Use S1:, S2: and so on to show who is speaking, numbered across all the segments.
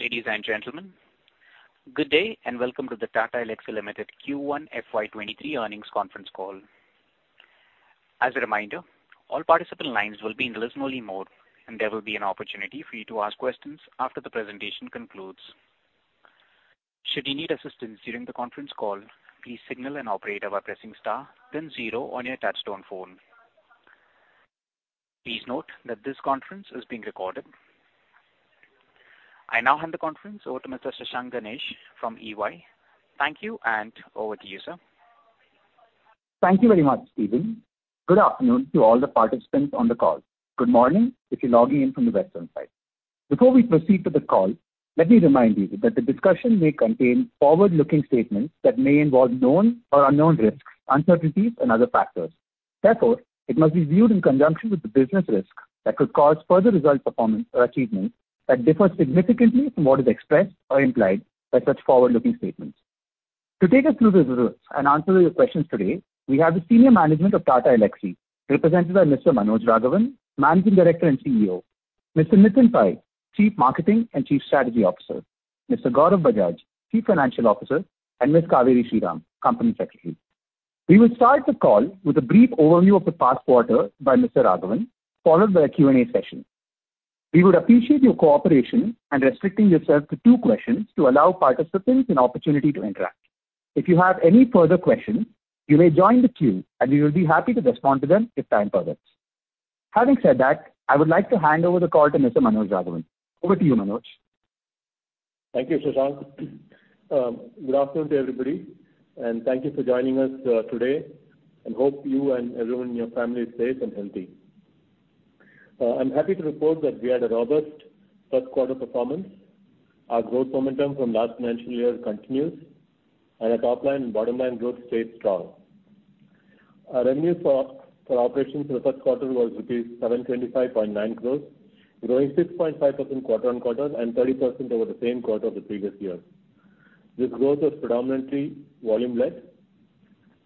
S1: Ladies and gentlemen, good day, and welcome to the Tata Elxsi Limited Q1 FY2023 Earnings Conference Call. As a reminder, all participant lines will be in listen only mode, and there will be an opportunity for you to ask questions after the presentation concludes. Should you need assistance during the conference call, please signal an operator by pressing star then zero on your touchtone phone. Please note that this conference is being recorded. I now hand the conference over to Mr. Shashank Ganesh from EY. Thank you, and over to you, sir.
S2: Thank you very much, Steven. Good afternoon to all the participants on the call. Good morning if you're logging in from the Western side. Before we proceed to the call, let me remind you that the discussion may contain forward-looking statements that may involve known or unknown risks, uncertainties and other factors. Therefore, it must be viewed in conjunction with the business risk that could cause further result performance or achievements that differ significantly from what is expressed or implied by such forward-looking statements. To take us through the results and answer your questions today, we have the senior management of Tata Elxsi, represented by Mr. Manoj Raghavan, Managing Director and CEO, Mr. Nitin Pai, Chief Marketing and Chief Strategy Officer, Mr. Gaurav Bajaj, Chief Financial Officer, and Ms. Kaveri Sriram, Company Secretary. We will start the call with a brief overview of the past quarter by Mr. Raghavan, followed by a Q&A session. We would appreciate your cooperation and restricting yourself to two questions to allow participants an opportunity to interact. If you have any further questions, you may join the queue, and we will be happy to respond to them if time permits. Having said that, I would like to hand over the call to Mr. Manoj Raghavan. Over to you, Manoj.
S3: Thank you, Shashank. Good afternoon to everybody, and thank you for joining us today, and hope you and everyone in your family is safe and healthy. I'm happy to report that we had a robust first quarter performance. Our growth momentum from last financial year continues, and our top line and bottom line growth stayed strong. Our revenue from operations in the first quarter was rupees 725.9 crores, growing 6.5% quarter-on-quarter and 30% over the same quarter of the previous year. This growth was predominantly volume-led.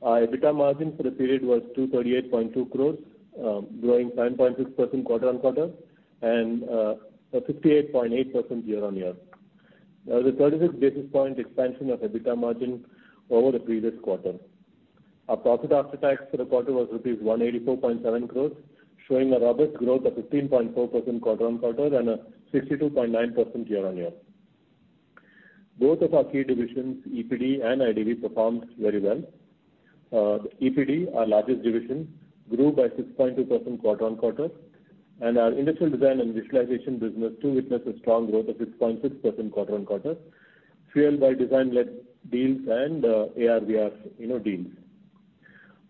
S3: Our EBITDA for the period was 238.2 crores, growing 9.6% quarter-on-quarter and 58.8% year-on-year. There was a 36 basis point expansion of EBITDA margin over the previous quarter. Our profit after tax for the quarter was 184.7 crores, showing a robust growth of 15.4% quarter-on-quarter and a 62.9% year-on-year. Both of our key divisions, EPD and IDV, performed very well. EPD, our largest division, grew by 6.2% quarter-on-quarter, and our industrial design and visualization business too witnessed a strong growth of 6.6% quarter-on-quarter, fueled by design-led deals and AR/VR, you know, deals.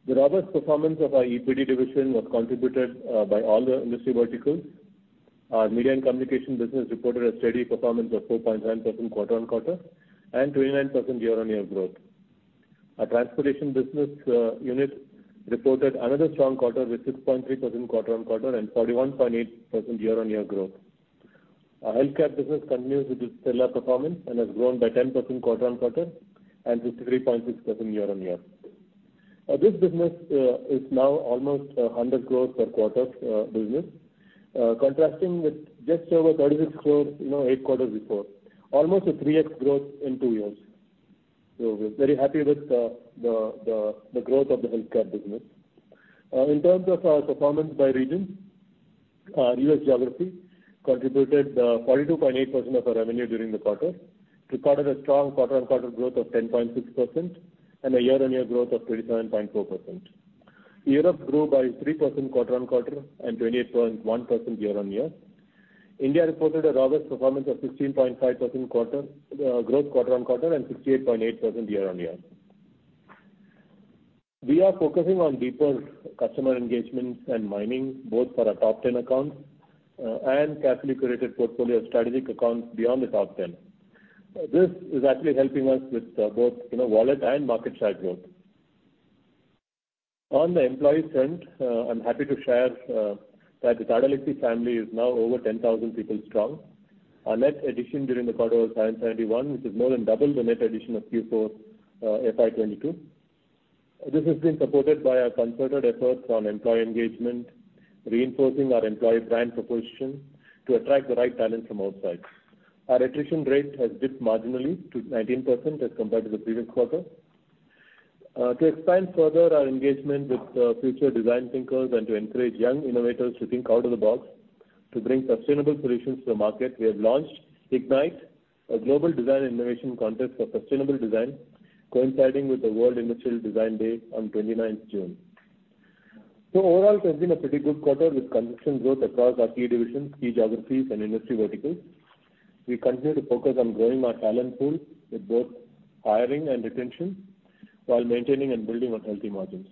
S3: The robust performance of our EPD division was contributed by all the industry verticals. Our media and communication business reported a steady performance of 4.9% quarter-on-quarter and 29% year-on-year growth. Our transportation business unit reported another strong quarter with 6.3% quarter-on-quarter and 41.8% year-on-year growth. Our healthcare business continues with its stellar performance and has grown by 10% quarter-on-quarter and 63.6% year-on-year. This business is now almost 100 crore per quarter, contrasting with just over 36 crore, you know, eight quarters before. Almost a 3x growth in two years. We're very happy with the growth of the healthcare business. In terms of our performance by region, our U.S. geography contributed 42.8% of our revenue during the quarter. Recorded a strong quarter-on-quarter growth of 10.6% and a year-on-year growth of 27.4%. Europe grew by 3% quarter-on-quarter and 28.1% year-on-year. India reported a robust performance of 16.5% quarter-on-quarter growth and 68.8% year-on-year. We are focusing on deeper customer engagements and mining, both for our top 10 accounts, and carefully curated portfolio of strategic accounts beyond the top 10. This is actually helping us with, both, you know, wallet and market share growth. On the employee front, I'm happy to share, that the Tata Elxsi family is now over 10,000 people strong. Our net addition during the quarter was 971, which is more than double the net addition of Q4 FY 2022. This has been supported by our concerted efforts on employee engagement, reinforcing our employee brand proposition to attract the right talent from outside. Our attrition rate has dipped marginally to 19% as compared to the previous quarter. To expand further our engagement with future design thinkers and to encourage young innovators to think out of the box to bring sustainable solutions to the market, we have launched Ignite, a global design innovation contest for sustainable design coinciding with the World Industrial Design Day on 29th June. Overall, it has been a pretty good quarter with consistent growth across our key divisions, key geographies and industry verticals. We continue to focus on growing our talent pool with both hiring and retention while maintaining and building on healthy margins.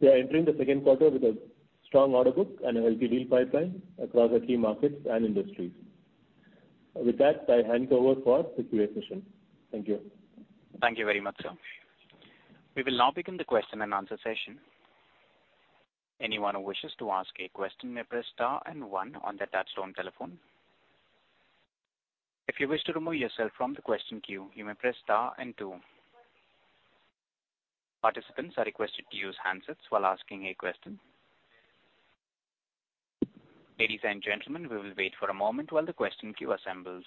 S3: We are entering the second quarter with a strong order book and a healthy deal pipeline across our key markets and industries. With that, I hand over for the Q&A session. Thank you.
S1: Thank you very much, sir. We will now begin the question-and-answer session. Anyone who wishes to ask a question may press star and one on their touchtone telephone. If you wish to remove yourself from the question queue, you may press star and two. Participants are requested to use handsets while asking a question. Ladies and gentlemen, we will wait for a moment while the question queue assembles.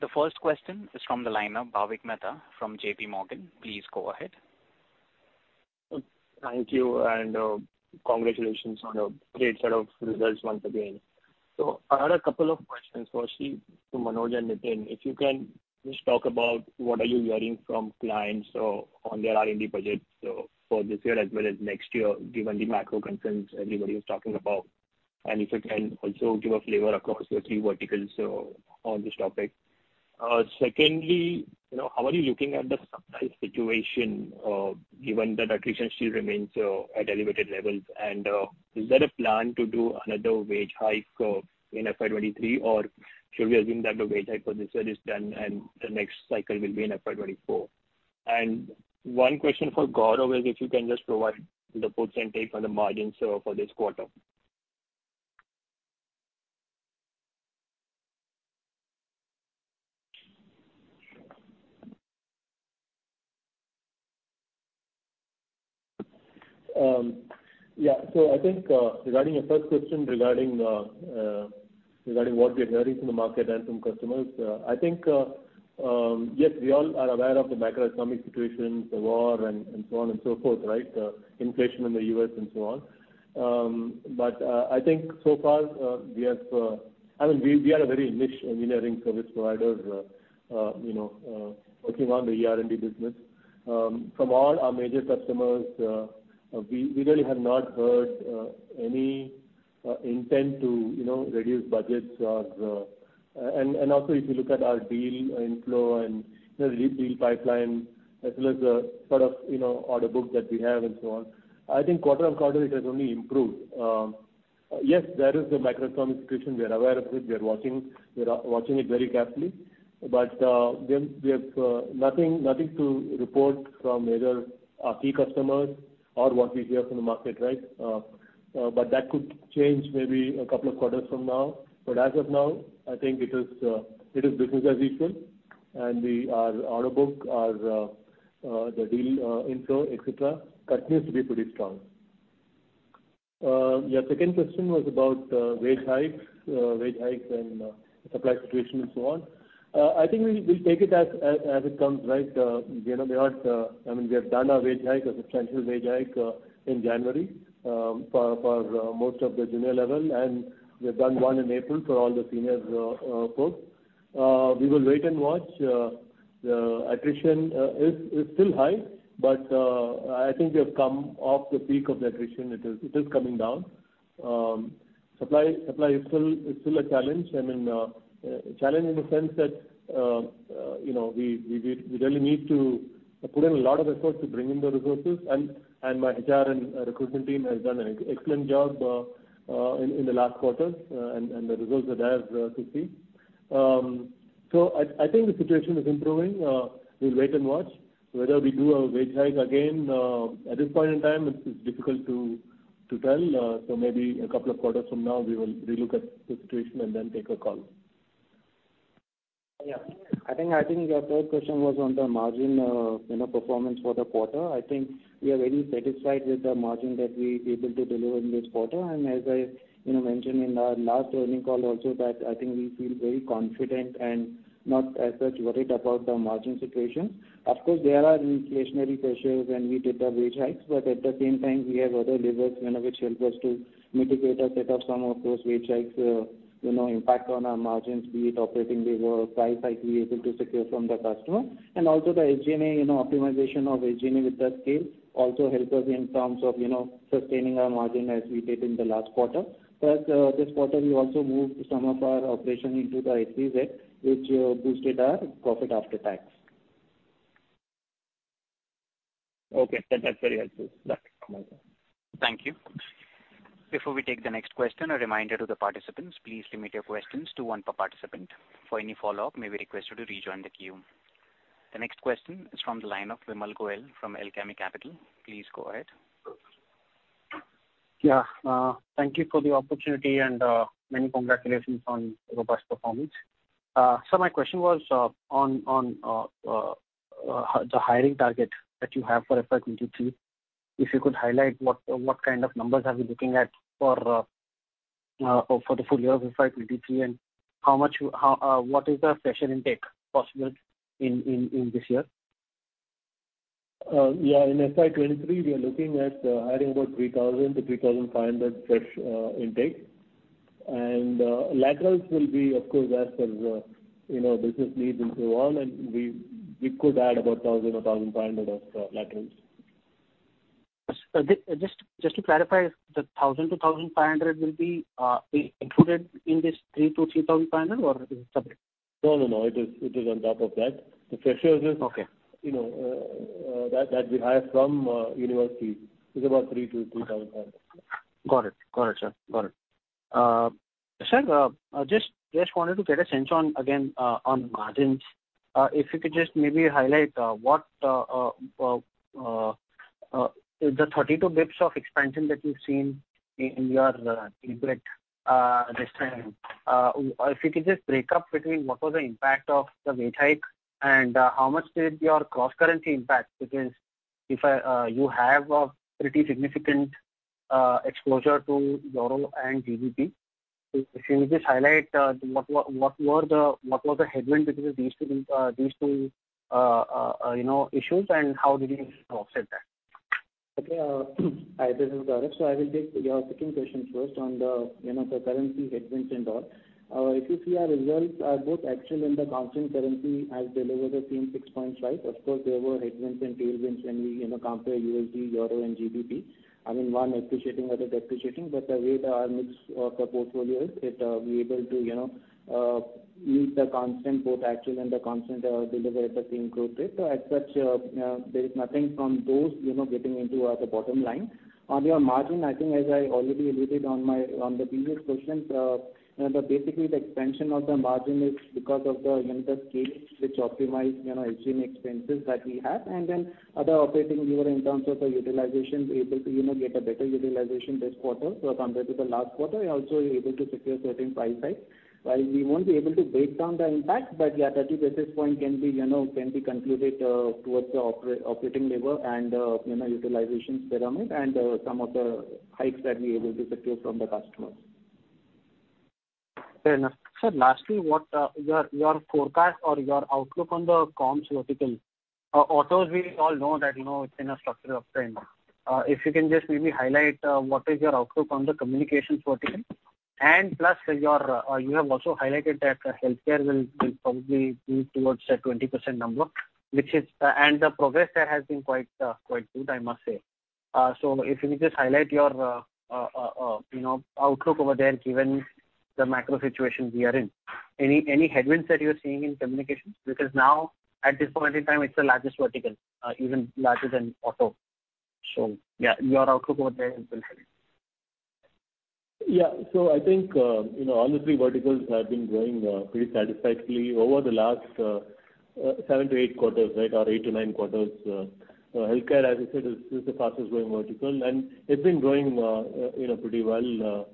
S1: The first question is from the line of Bhavik Mehta from J.P. Morgan. Please go ahead.
S4: Thank you, and, congratulations on a great set of results once again. I had a couple of questions. Firstly, to Manoj and Nitin, if you can just talk about what are you hearing from clients, so on their R&D budgets, so for this year as well as next year, given the macro concerns everybody is talking about? If you can also give a flavor across your three verticals, so on this topic. Secondly, you know, how are you looking at the supply situation, given that attrition still remains at elevated levels? Is there a plan to do another wage hike in FY2023, or should we assume that the wage hike for this year is done and the next cycle will be in FY2024? One question for Gaurav is if you can just provide the percentage on the margins, so for this quarter?
S3: I think, regarding your first question regarding what we are hearing from the market and from customers, yes, we all are aware of the macroeconomic situation, the war and so on and so forth, right? Inflation in the U.S. and so on. I think so far, I mean, we are a very niche engineering service provider, you know, working on the ER&D business. From all our major customers, we really have not heard any intent to, you know, reduce budgets or also if you look at our deal inflow and, you know, lead deal pipeline, as well as the sort of, you know, order book that we have and so on, I think quarter-over-quarter it has only improved. Yes, there is the macroeconomic situation. We are aware of it. We are watching it very carefully. We have nothing to report from either our key customers or what we hear from the market, right? That could change maybe a couple of quarters from now. As of now, I think it is business as usual. Our order book, the deal inflow, et cetera, continues to be pretty strong. Yeah, second question was about wage hikes and supply situation and so on. I think we'll take it as it comes, right? You know, I mean, we have done our wage hike, a substantial wage hike in January for most of the junior level, and we have done one in April for all the seniors, folks. We will wait and watch. The attrition is still high, but I think we have come off the peak of the attrition. It is coming down. Supply is still a challenge. I mean, a challenge in the sense that, you know, we really need to put in a lot of effort to bring in the resources and my HR and recruitment team has done an excellent job in the last quarter, and the results are there to see. I think the situation is improving. We'll wait and watch. Whether we do a wage hike again, at this point in time it's difficult to tell. Maybe a couple of quarters from now we will relook at the situation and then take a call.
S5: Yeah. I think your third question was on the margin, you know, performance for the quarter. I think we are very satisfied with the margin that we're able to deliver in this quarter. As I, you know, mentioned in our last earnings call also that I think we feel very confident and not as such worried about the margin situation. Of course, there are inflationary pressures when we did the wage hikes, but at the same time we have other levers, you know, which help us to mitigate a bit of some of those wage hikes, you know, impact on our margins, be it operating leverage or price hike we're able to secure from the customer. Also the SG&A, you know, optimization of SG&A with the scale also help us in terms of, you know, sustaining our margin as we did in the last quarter. Plus, this quarter we also moved some of our operation into the SEZ which boosted our profit after tax.
S4: Okay. That's very helpful. Thank you.
S1: Thank you. Before we take the next question, a reminder to the participants, please limit your questions to one per participant. For any follow-up, you may be requested to rejoin the queue. The next question is from the line of Vimal Gohil from Alchemy Capital. Please go ahead.
S6: Thank you for the opportunity, and many congratulations on robust performance. My question was on the hiring target that you have for FY2023. If you could highlight what kind of numbers are we looking at for the full-year of FY2023, and how much, what is the fresher intake possible in this year?
S3: Yeah. In FY2023, we are looking at hiring about 3,000 to 3,500 fresh intake. Laterals will be, of course, as per the business needs and so on, and we could add about 1,000 or 1,500 of laterals.
S6: Sir, just to clarify, the 1,000 to 1,500 will be included in this 3,000 to 3,500 or is it separate?
S3: No, no. It is on top of that. The freshers is.
S6: Okay.
S3: You know, that we hire from university is about 3,000 to 3,500.
S6: Got it, sir. Just wanted to get a sense on margins again. If you could just maybe highlight the 32 basis points of expansion that we've seen in your EBIT this time, if you could just breakdown between what was the impact of the wage hike and how much did your cross-currency impact. Because you have a pretty significant exposure to euro and GBP. So if you could just highlight what were the headwinds because of these two issues and how did you offset that?
S5: Okay. Hi, this is Gaurav. I will take your second question first on the, you know, the currency headwinds and all. If you see our results, both actual and the constant currency has delivered the same 6 points, right? Of course, there were headwinds and tailwinds when we, you know, compare USD, EUR and GBP. I mean, one appreciating, other depreciating, but the way our mix of the portfolio is, it, we're able to, you know, use the constant, both actual and the constant, deliver at the same growth rate. As such, there is nothing from those, you know, getting into the bottom line. On your margin, I think as I already alluded on the previous question, the basically the expansion of the margin is because of the, you know, the scale which optimize, you know, SG&A expenses that we have. Then other operating lever in terms of the utilization able to, you know, get a better utilization this quarter. Compared to the last quarter, we also were able to secure certain price hikes. While we won't be able to break down the impact, but yeah, 30 basis point can be, you know, can be concluded, towards the operating lever and, you know, utilization pyramid and, some of the hikes that we're able to secure from the customers.
S6: Fair enough. Sir, lastly, what your forecast or your outlook on the comms vertical. Autos we all know that, you know, it's in a structural decline. If you can just maybe highlight what is your outlook on the communications vertical? Plus, you have also highlighted that healthcare will probably move towards the 20% number, which is. The progress there has been quite good, I must say. If you could just highlight your outlook over there, you know, given the macro situation we are in. Any headwinds that you're seeing in communications? Because now at this point in time, it's the largest vertical, even larger than auto. Yeah, your outlook over there will be fine.
S3: Yeah. I think you know, all the three verticals have been growing pretty satisfactorily over the last seven to eight quarters, right, or eight to nine quarters. Healthcare, as you said, is the fastest growing vertical, and it's been growing you know, pretty well. You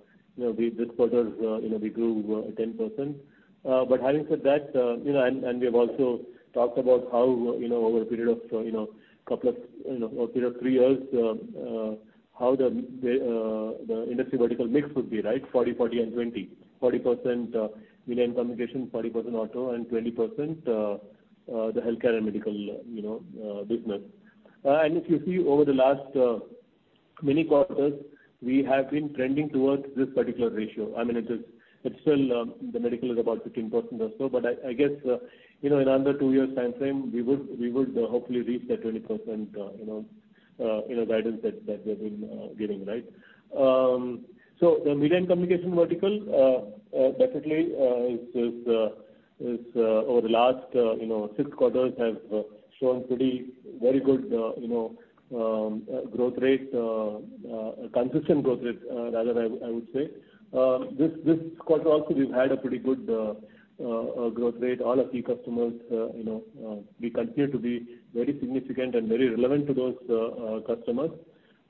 S3: know, this quarter you know, we grew 10%. But having said that you know, and we have also talked about how you know, over a period of you know, couple of you know, a period of three years how the industry vertical mix would be, right? 40% and 20%. 40% media and communication, 40% auto, and 20% the healthcare and medical you know business. If you see over the last many quarters, we have been trending towards this particular ratio. I mean, it is, it's still the medical is about 15% or so. I guess, you know, in under two years timeframe, we would hopefully reach that 20%, you know, guidance that we have been giving, right? So the media and communication vertical definitely is over the last six quarters have shown very good growth rate, consistent growth rate, rather I would say. This quarter also we've had a pretty good growth rate. All our key customers, you know, we continue to be very significant and very relevant to those customers.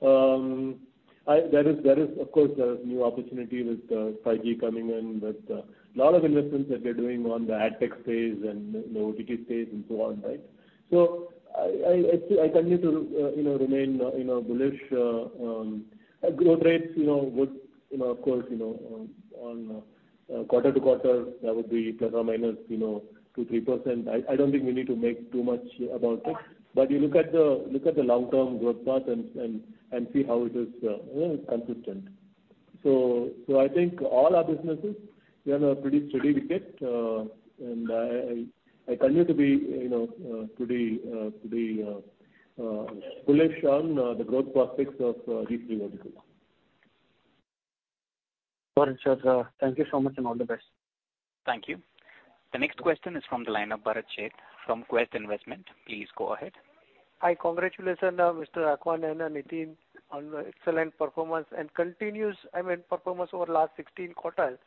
S3: There is of course new opportunity with 5G coming in with lot of investments that we are doing on the ad tech space and, you know, OTT space and so on, right? I still continue to you know remain you know bullish. Growth rates would you know of course you know on quarter-over-quarter that would be ±2% to 3%. I don't think we need to make too much about it. You look at the long-term growth path and see how it is you know consistent. I think all our businesses, we have a pretty steady ticket, and I continue to be, you know, pretty bullish on the growth prospects of these three verticals.
S6: Got it, sir. Thank you so much and all the best.
S1: Thank you. The next question is from the line of Bharat Sheth from Quest Investment. Please go ahead.
S7: Hi. Congratulations, Mr. Raghavan and Nitin on the excellent performance over last 16 quarters.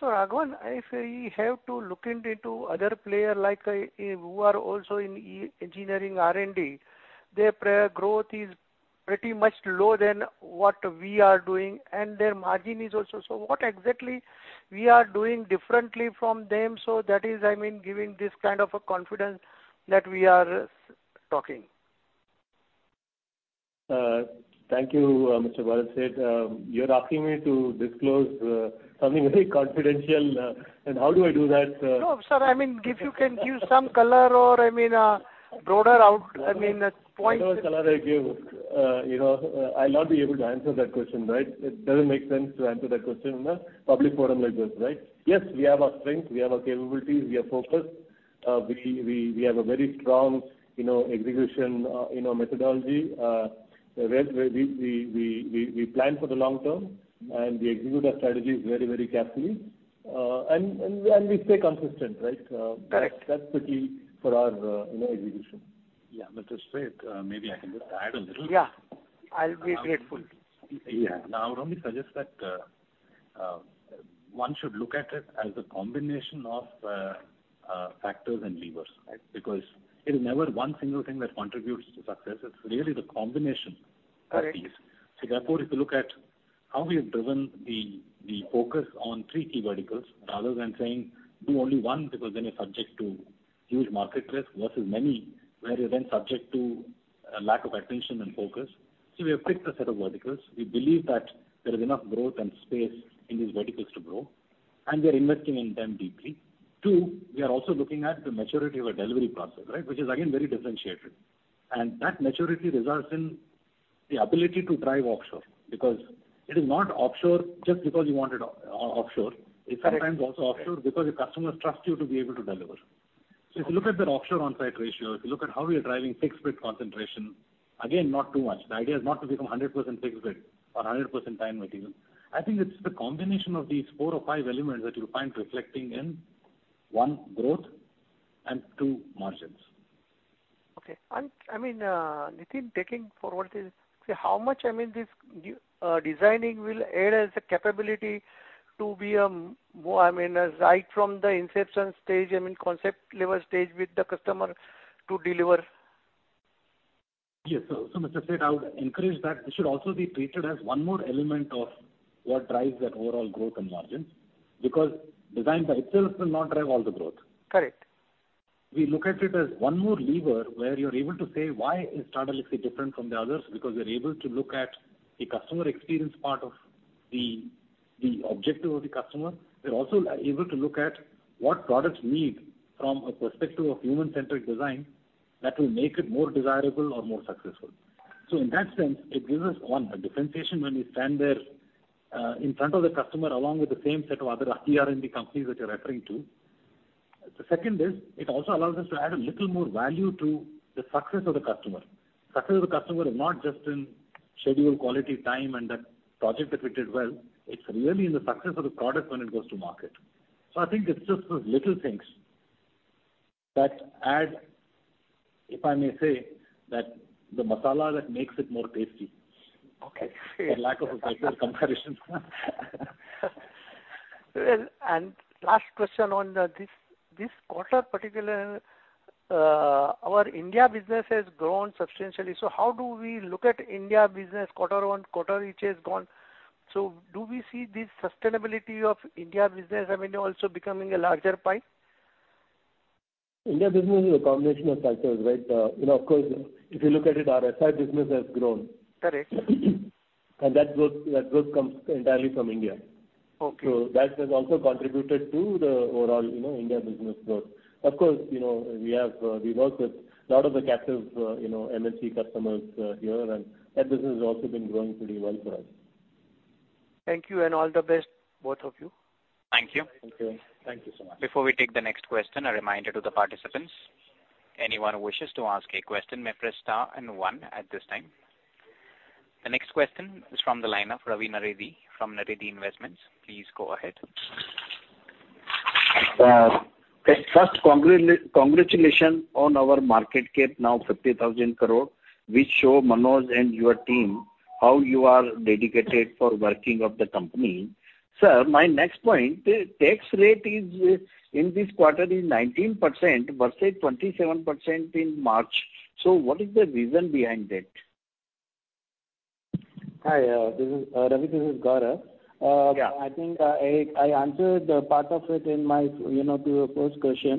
S7: Raghavan, if we have to look into other player like who are also in engineering R&D, their growth is pretty much lower than what we are doing and their margin is also. That is giving this kind of a confidence that we are talking.
S3: Thank you, Mr. Bharat Sheth. You're asking me to disclose something very confidential, and how do I do that?
S7: No, sir. I mean, if you can give some color or broader outlook.
S3: You know, the color I give, you know, I'll not be able to answer that question, right? It doesn't make sense to answer that question in a public forum like this, right? Yes, we have our strength, we have our capabilities, we are focused. We have a very strong, you know, execution, you know, methodology, where we plan for the long term, and we execute our strategies very, very carefully. We stay consistent, right?
S7: Correct.
S3: That's quickly for our, you know, execution.
S8: Yeah. Mr. Sheth, maybe I can just add a little.
S7: Yeah, I'll be grateful.
S8: Yeah. Now, I would only suggest that, one should look at it as a combination of, factors and levers, right? Because it is never one single thing that contributes to success. It's really the combination.
S7: Okay.
S8: of these. Therefore, if you look at how we have driven the focus on three key verticals, rather than saying do only one because then you're subject to huge market risk versus many, where you're then subject to a lack of attention and focus. We have picked a set of verticals. We believe that there is enough growth and space in these verticals to grow, and we are investing in them deeply. Two, we are also looking at the maturity of our delivery process, right, which is again very differentiated. That maturity results in the ability to drive offshore because it is not offshore just because you want it offshore.
S7: Correct.
S8: It's sometimes also offshore because your customers trust you to be able to deliver. If you look at that offshore on-site ratio, if you look at how we are driving fixed bid concentration, again, not too much. The idea is not to become 100% fixed bid or 100% time and material. I think it's the combination of these four or five elements that you'll find reflecting in, one, growth and two, margins.
S7: Okay. I mean, Nitin, taking forward this, how much, I mean, this new designing will aid as a capability to be more, I mean, right from the inception stage, I mean, concept level stage with the customer to deliver?
S8: Yes. As I said, I would encourage that this should also be treated as one more element of what drives that overall growth and margins because design by itself will not drive all the growth.
S7: Correct.
S8: We look at it as one more lever where you're able to say why is Tata Elxsi different from the others, because we are able to look at the customer experience part of the objective of the customer. We're also able to look at what products need from a perspective of human-centric design that will make it more desirable or more successful. In that sense, it gives us one, a differentiation when we stand there in front of the customer along with the same set of other tier one companies that you're referring to. The second is it also allows us to add a little more value to the success of the customer. Success of the customer is not just in schedule, quality, time, and that project if it did well. It's really in the success of the product when it goes to market. I think it's just those little things that add, if I may say, that the masala that makes it more tasty for lack of a better comparison.
S7: Well, last question on this particular quarter, our India business has grown substantially. How do we look at India business quarter-on-quarter, which has grown? Do we see the sustainability of India business revenue also becoming a larger pie?
S3: Indian business is a combination of factors, right? You know, of course, if you look at it, our IDV business has grown. That growth comes entirely from India that has also contributed to the overall, you know, India business growth. Of course, you know, we have, we work with a lot of the captive, you know, MNC customers, here, and that business has also been growing pretty well for us.
S7: Thank you and all the best, both of you.
S3: Thank you.
S8: Thank you.
S1: Thank you so much. Before we take the next question, a reminder to the participants. Anyone who wishes to ask a question may press star and one at this time. The next question is from the line of Ravi Naredi from Naredi Investments. Please go ahead.
S9: First, congratulations on our market cap now 50,000 crore, which show Manoj and your team how you are dedicated for working of the company. Sir, my next point, the tax rate in this quarter is 19% versus 27% in March. What is the reason behind that?
S5: Hi, Ravi, this is Gaurav. I think I answered part of it in my, you know, to your first question.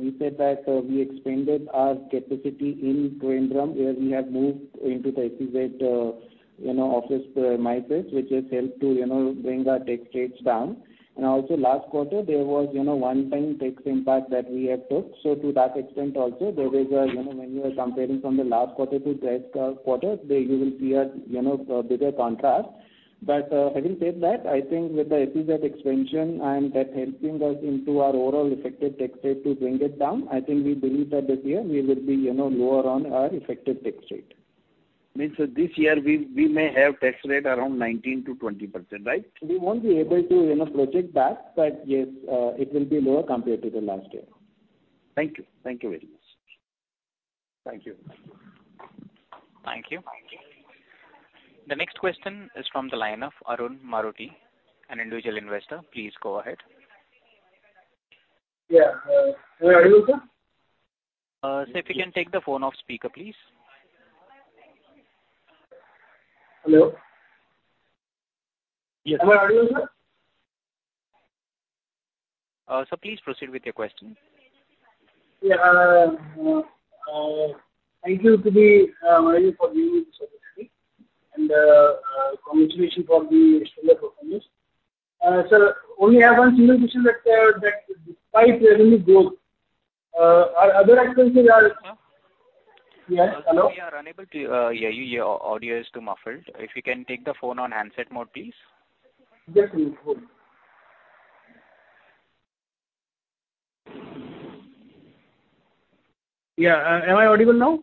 S5: We said that we expanded our capacity in Kundrathur, where we have moved into the SEZ, you know, office, MEPZ SEZ, which has helped to, you know, bring our tax rates down. Also last quarter, there was, you know, one-time tax impact that we have took. To that extent also, there is a, you know, when you are comparing from the last quarter to this quarter, there you will see a, you know, a bigger contrast. Having said that, I think with the SEZ expansion and that helping us into our overall effective tax rate to bring it down, I think we believe that this year we will be, you know, lower on our effective tax rate.
S9: Means this year we may have tax rate around 19% to 20%, right?
S5: We won't be able to, you know, project that, but yes, it will be lower compared to the last year.
S9: Thank you. Thank you very much.
S5: Thank you.
S1: Thank you. The next question is from the line of Arun Maroti, an individual investor. Please go ahead.
S10: Yeah. Where are you, sir?
S1: Sir, if you can take the phone off speaker, please.
S10: Hello? Yes. Where are you, sir?
S1: Sir, please proceed with your question.
S10: Yeah. Thank you to the management for doing this opportunity. Congratulations for the stellar performance. Sir, only I have one single question that despite revenue growth, our other activities are-
S1: Sir?
S10: Yes. Hello?
S1: Sir, we are unable to hear you. Your audio is too muffled. If you can take the phone on handset mode, please.
S10: Just one second. Yeah. Am I audible now?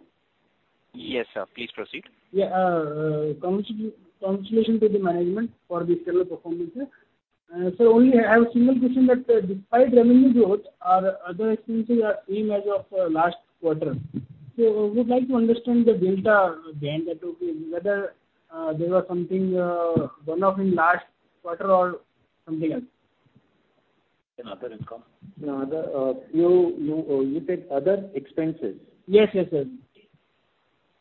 S1: Yes, sir. Please proceed.
S10: Congratulations to the management for the stellar performance, sir. Only I have a single question that despite revenue growth, our other expenses are same as of last quarter. We would like to understand the delta gain that will be whether there was something one-off in last quarter or something else.
S5: In other income.
S3: No other, you said other expenses?
S10: Yes. Yes, sir.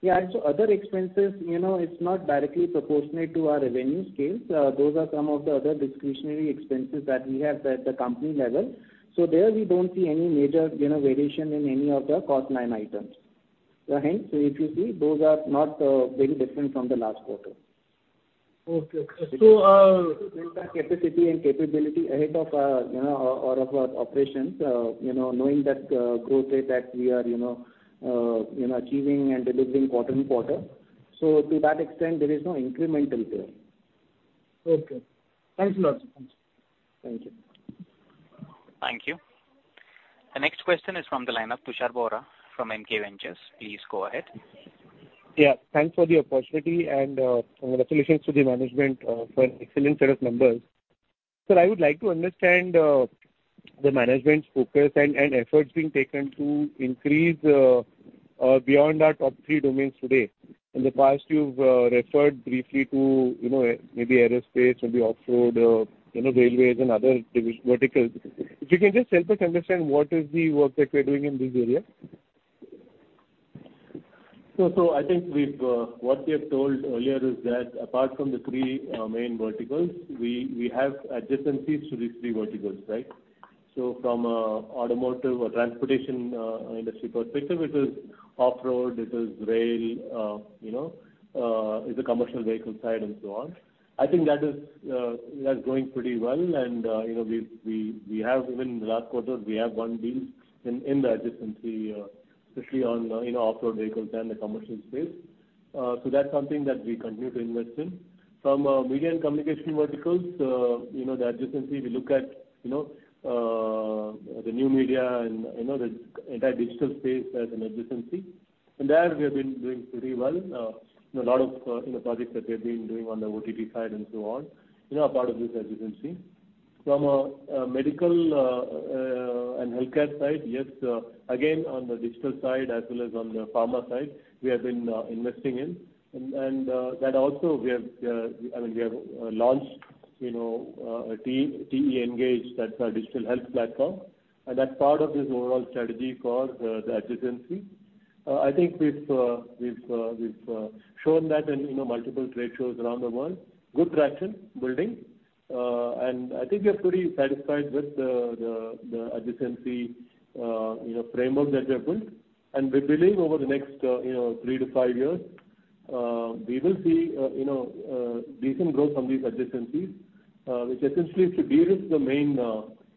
S5: Yeah, other expenses, you know, it's not directly proportionate to our revenue scale. Those are some of the other discretionary expenses that we have at the company level. There we don't see any major, you know, variation in any of the cost line items. Hence, if you see, those are not very different from the last quarter to build our capacity and capability ahead of, you know, all of our operations, you know, knowing that growth rate that we are, you know, achieving and delivering quarter-and-quarter. To that extent, there is no incremental spend.
S10: Okay. Thanks a lot, sir.
S5: Thank you.
S1: Thank you. The next question is from the line of Tushar Bohra from MK Ventures. Please go ahead.
S11: Yeah, thanks for the opportunity and, congratulations to the management, for an excellent set of numbers. I would like to understand, the management's focus and efforts being taken to increase, beyond our top three domains today. In the past, you've referred briefly to, you know, maybe aerospace, maybe off-road, you know, railways and other verticals. If you can just help us understand what is the work that we're doing in this area.
S3: I think what we have told earlier is that apart from the three main verticals, we have adjacencies to these three verticals, right? From an automotive or transportation industry perspective, it is off-road, it is rail, you know, it's a commercial vehicle side and so on. I think that's going pretty well and, you know, we have even in the last quarter, we have one deal in the adjacency, especially on, you know, off-road vehicles and the commercial space. That's something that we continue to invest in. From a media and communications verticals, you know, the adjacency we look at, you know, the new media and, you know, the entire digital space as an adjacency. There we have been doing pretty well. You know, a lot of, you know, projects that we have been doing on the OTT side and so on, you know, are part of this adjacency. From a medical and healthcare side, yes, again, on the digital side as well as on the pharma side, we have been investing in. That also we have, I mean, we have launched, you know, TE Engage, that's our digital health platform. That's part of this overall strategy for the adjacency. I think we've shown that in, you know, multiple trade shows around the world. Good traction building. I think we are pretty satisfied with the adjacency, you know, framework that we have built. We believe over the next, you know, three tot five years, we will see, you know, decent growth from these adjacencies, which essentially should de-risk the main,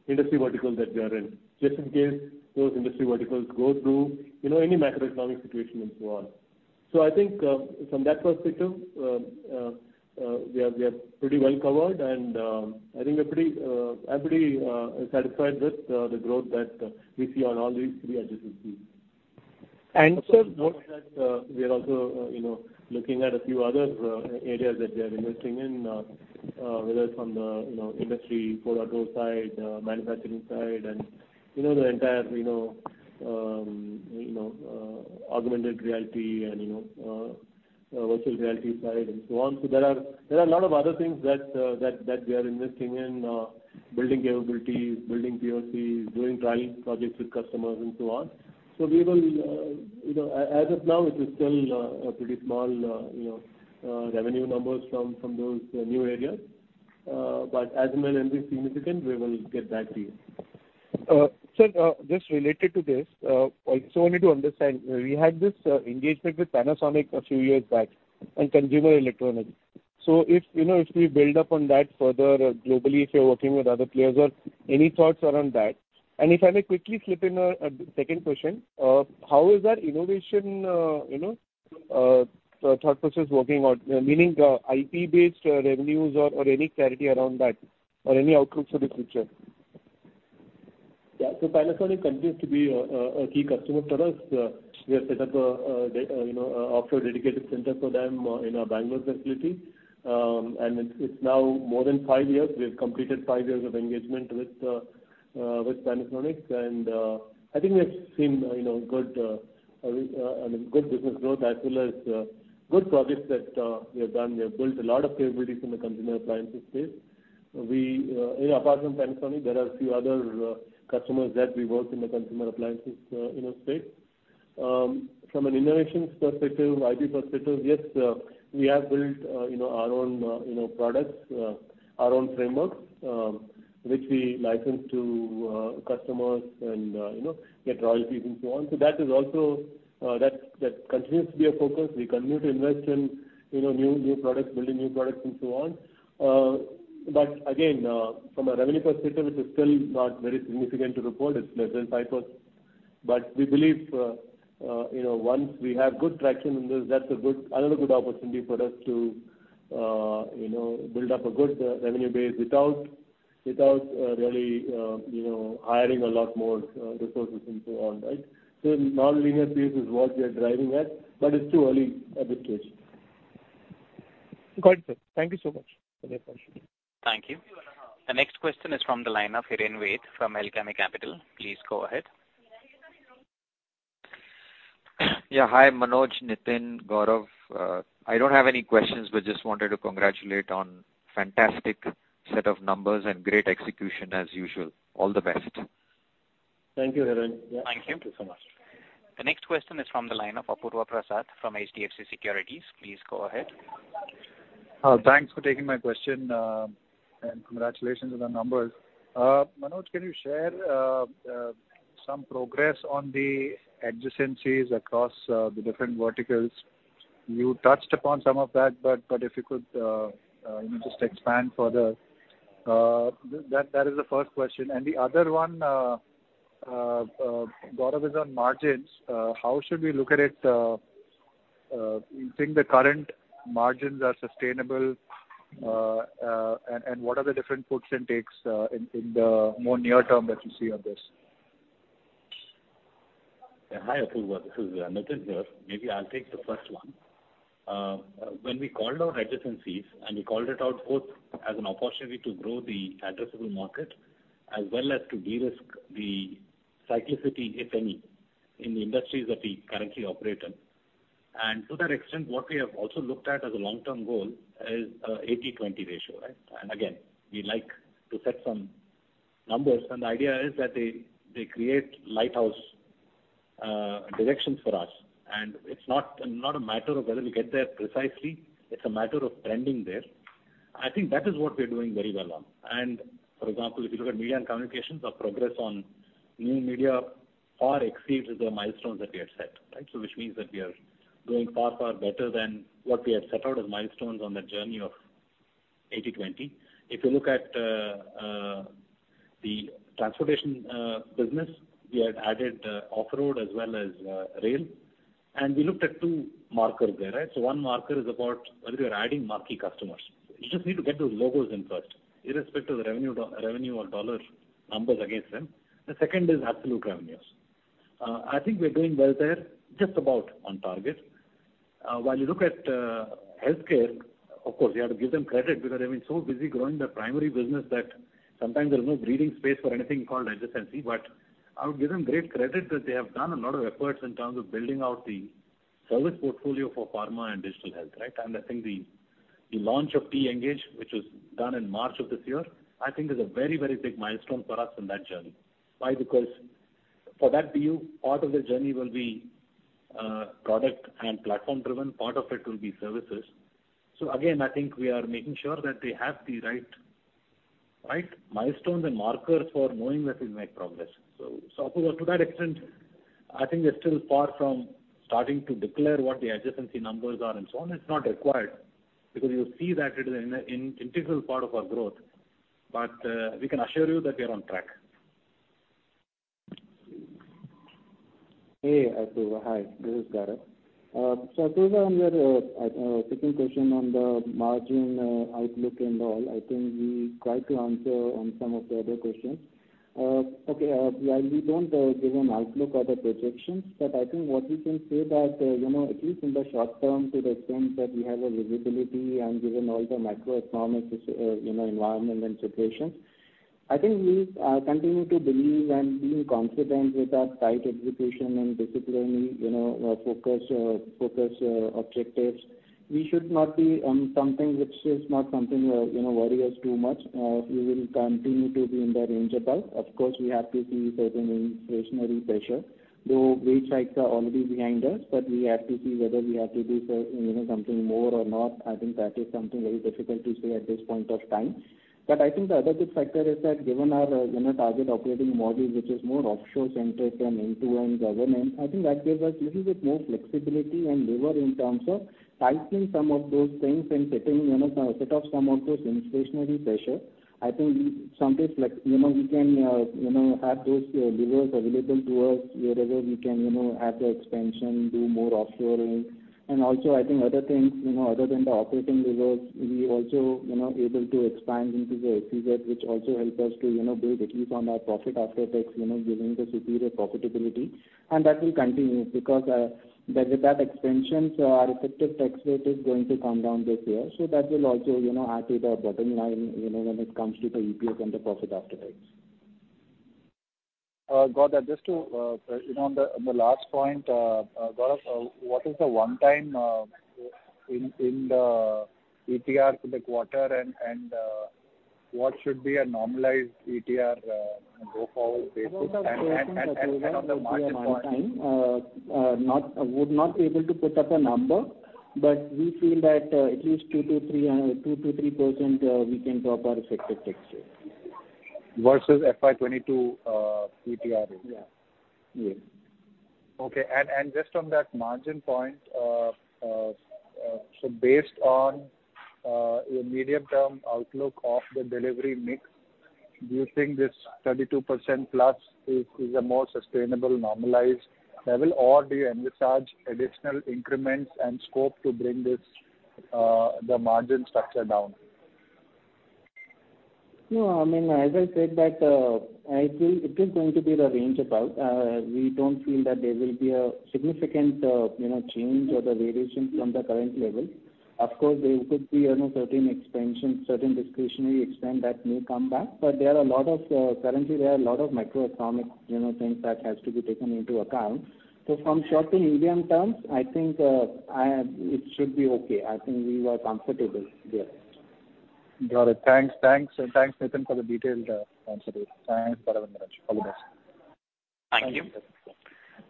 S3: industry verticals that we are in, just in case those industry verticals go through, you know, any macroeconomic situation and so on. I think from that perspective, we are pretty well covered and I think I'm pretty satisfied with the growth that we see on all these three adjacencies.
S11: Sir—
S3: Note that we are also, you know, looking at a few other areas that we are investing in, whether it's from the, you know, Industry 4.0 side, manufacturing side and, you know, the entire, you know, augmented reality and, you know, virtual reality side and so on. There are a lot of other things that we are investing in, building capabilities, building POCs, doing trial projects with customers and so on. We will, you know, as of now, it is still a pretty small, you know, revenue numbers from those new areas. As and when they're significant, we will get back to you.
S11: Sir, just related to this, also wanted to understand, we had this engagement with Panasonic a few years back on consumer electronics. If, you know, if we build up on that further globally, if you're working with other players or any thoughts around that. If I may quickly slip in a second question, how is that innovation, you know, thought process working out? Meaning, IP-based revenues or any clarity around that or any outlook for the future?
S3: Yeah. Panasonic continues to be a key customer for us. We have set up, you know, an offshore dedicated center for them in our Bangalore facility. It's now more than five years. We have completed five years of engagement with Panasonic. I think we've seen, you know, good, I mean, good business growth as well as good projects that we have done. We have built a lot of capabilities in the consumer appliances space. We, you know, apart from Panasonic, there are a few other customers that we work in the consumer appliances, you know, space. From an innovation perspective, IP perspective, yes, we have built, you know, our own, you know, products, our own frameworks, which we license to customers and, you know, get royalties and so on. That is also that continues to be a focus. We continue to invest in, you know, new products, building new products and so on. Again, from a revenue perspective, it is still not very significant to report. It's less than 5%. We believe, you know, once we have good traction in this, that's a good, another good opportunity for us to, you know, build up a good revenue base without really, you know, hiring a lot more resources and so on, right? Non-linear pace is what we are driving at, but it's too early at this stage.
S11: Got it, sir. Thank you so much for your question.
S1: Thank you. The next question is from the line of Hiren Ved from Alchemy Capital Management. Please go ahead.
S12: Yeah, hi, Manoj, Nitin, Gaurav. I don't have any questions, but just wanted to congratulate on fantastic set of numbers and great execution as usual. All the best.
S3: Thank you, Hiren. Yeah. Thank you so much.
S1: The next question is from the line of Apurva Prasad from HDFC Securities. Please go ahead.
S13: Thanks for taking my question. Congratulations on the numbers. Manoj, can you share some progress on the adjacencies across the different verticals? You touched upon some of that, but if you could, you know, just expand further. That is the first question. The other one, Gaurav, is on margins. How should we look at it? You think the current margins are sustainable? What are the different puts and takes in the more near term that you see on this?
S8: Yeah. Hi, Apurva. This is Nitin here. Maybe I'll take the first one. When we called our adjacencies, and we called it out both as an opportunity to grow the addressable market as well as to de-risk the cyclicity, if any, in the industries that we currently operate in. To that extent, what we have also looked at as a long-term goal is 80/20 ratio, right? Again, we like to set some numbers, and the idea is that they create lighthouse directions for us. It's not a matter of whether we get there precisely, it's a matter of trending there. I think that is what we are doing very well on. For example, if you look at media and communications, our progress on new media far exceeds the milestones that we had set, right? Which means that we are going far, far better than what we had set out as milestones on that journey of 80/20. If you look at the transportation business, we had added off-road as well as rail. We looked at two markers there, right? One marker is about whether you're adding marquee customers. You just need to get those logos in first, irrespective of the revenue or dollar numbers against them. The second is absolute revenues. I think we are doing well there, just about on target. While you look at healthcare, of course, we have to give them credit because they've been so busy growing their primary business that sometimes there's no breathing space for anything called adjacency. I would give them great credit that they have done a lot of efforts in terms of building out the service portfolio for pharma and digital health, right? I think the launch of TE Engage, which was done in March of this year, I think is a very, very big milestone for us in that journey. Why? Because for that view, part of the journey will be product and platform driven, part of it will be services. I think we are making sure that they have the right milestones and markers for knowing that we make progress. So Apurva, to that extent, I think we're still far from starting to declare what the adjacency numbers are and so on. It's not required because you see that it is an integral part of our growth. We can assure you that we are on track.
S5: Hey, Apurva. Hi, this is Gaurav. Apurva, on your second question on the margin outlook and all, I think we tried to answer on some of the other questions. Okay, yeah, we don't give an outlook or the projections. I think what we can say that you know, at least in the short term to the extent that we have a visibility and given all the macroeconomic you know, environment and situations, I think we continue to believe and being confident with our tight execution and disciplinary you know, focus objectives. We should not be on something which is not something you know, worry us too much. We will continue to be in the range of that. Of course, we have to see certain inflationary pressure, though wage hikes are already behind us, but we have to see whether we have to do so, you know, something more or not. I think that is something very difficult to say at this point of time. I think the other good factor is that given our, you know, target operating model, which is more offshore-centric and end-to-end governance, I think that gives us little bit more flexibility and lever in terms of tightening some of those things and setting, you know, set off some of those inflationary pressure. I think we sometimes, like, you know, we can, you know, have those levers available to us wherever we can, you know, have the expansion, do more offshoring. I think other things, you know, other than the operating levers, we also, you know, able to expand into the SEZ, which also help us to, you know, build at least on our profit after tax, you know, giving the superior profitability. That will continue because, with that expansion, so our effective tax rate is going to come down this year. That will also, you know, add to the bottom line, you know, when it comes to the EPS and the profit after tax.
S13: Gaurav, just to, you know, on the last point, Gaurav, what is the one time in the ETR for the quarter and what should be a normalized ETR go forward basis? On the margin point— Gaurav, the question that Apurva asked was a one time.
S5: No, I would not be able to put up a number, but we feel that, at least 2% to 3%, we can drop our effective tax rate.
S13: Versus FY2022 ETR rate?
S5: Yeah. Yeah.
S13: Okay. Just on that margin point, so based on your medium-term outlook of the delivery mix, do you think this 32%+ is a more sustainable normalized level? Or do you envisage additional increments and scope to bring this the margin structure down?
S5: No, I mean, as I said that, I feel it is going to be the range about, we don't feel that there will be a significant, you know, change or the variation from the current level. Of course, there could be, you know, certain expansion, certain discretionary expense that may come back. But there are a lot of currently, there are a lot of macroeconomic, you know, things that has to be taken into account. From short to medium term, I think, it should be okay. I think we are comfortable there.
S13: Got it. Thanks, Nitin, for the detailed answer. Thanks. All the best.
S1: Thank you.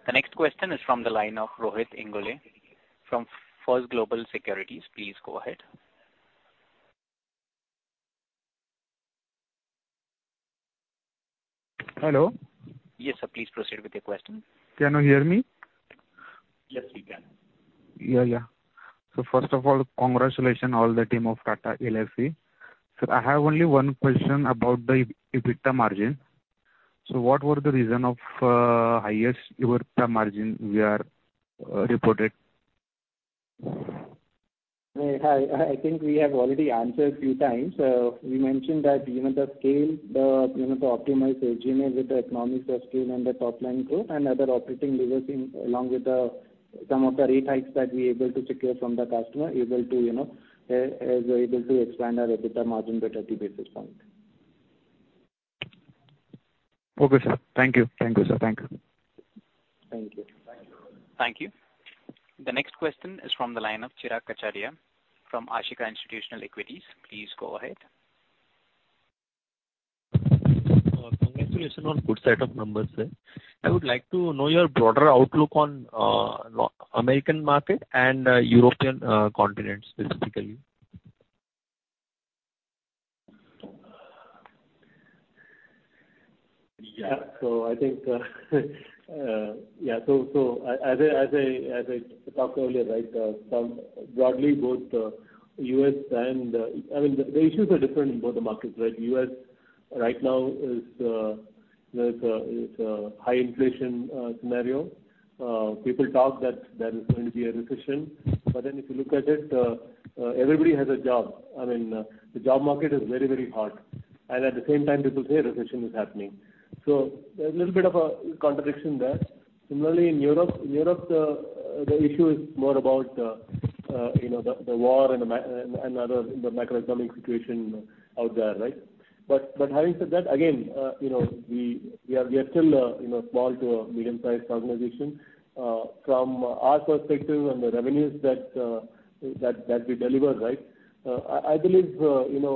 S1: The next question is from the line of Rohit Ingole from First Global Securities. Please go ahead.
S14: Hello.
S1: Yes, sir. Please proceed with your question.
S14: Can you hear me?
S1: Yes, we can.
S14: Yeah, yeah. First of all, congratulations all the team of Tata Elxsi. I have only one question about the EBITDA margin. What were the reason of highest EBITDA margin we are reported?
S5: Hi. I think we have already answered few times. We mentioned that even the scale, you know, the optimized engine with the economies of scale and the top line growth and other operating levers along with some of the rate hikes that we're able to secure from the customer, you know, as we're able to expand our EBITDA margin by 30 basis points.
S14: Okay, sir. Thank you. Thank you, sir. Thank you.
S5: Thank you.
S1: Thank you. The next question is from the line of Chirag Kachhadiya from Ashika Institutional Equities. Please go ahead.
S15: Congratulations on good set of numbers, sir. I would like to know your broader outlook on American market and European continent specifically.
S3: I think as I talked earlier, right, so broadly both U.S. and I mean, the issues are different in both the markets, right? U.S. right now is, you know, it's a high inflation scenario. People talk that there is going to be a recession. If you look at it, everybody has a job. I mean, the job market is very hot. At the same time people say a recession is happening. There's a little bit of a contradiction there. Similarly in Europe, the issue is more about, you know, the war and other macroeconomic situation out there, right? Having said that, again, you know, we are still small- to medium-sized organization. From our perspective and the revenues that we deliver, right, I believe, you know,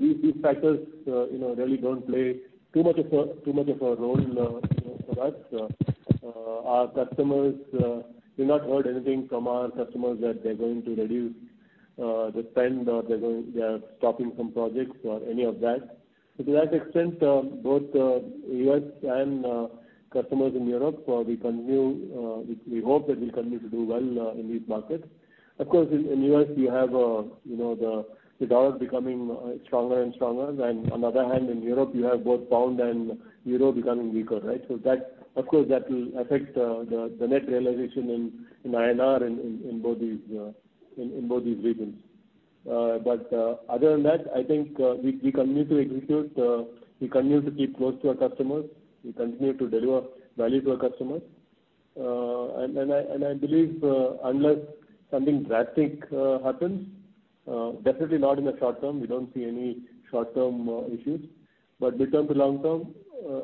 S3: these factors, you know, really don't play too much of a role, you know, for us. Our customers, we've not heard anything from our customers that they're going to reduce the spend or they're going they are stopping some projects or any of that. To that extent, both U.S. and customers in Europe, we hope that we'll continue to do well in these markets. Of course, in U.S. we have, you know, the dollar becoming stronger and stronger. On the other hand, in Europe, you have both pound and euro becoming weaker, right? That, of course, will affect the net realization in INR in both these regions. Other than that, I think we continue to execute, we continue to keep close to our customers, we continue to deliver value to our customers. I believe, unless something drastic happens, definitely not in the short term, we don't see any short-term issues. Mid-term to long term,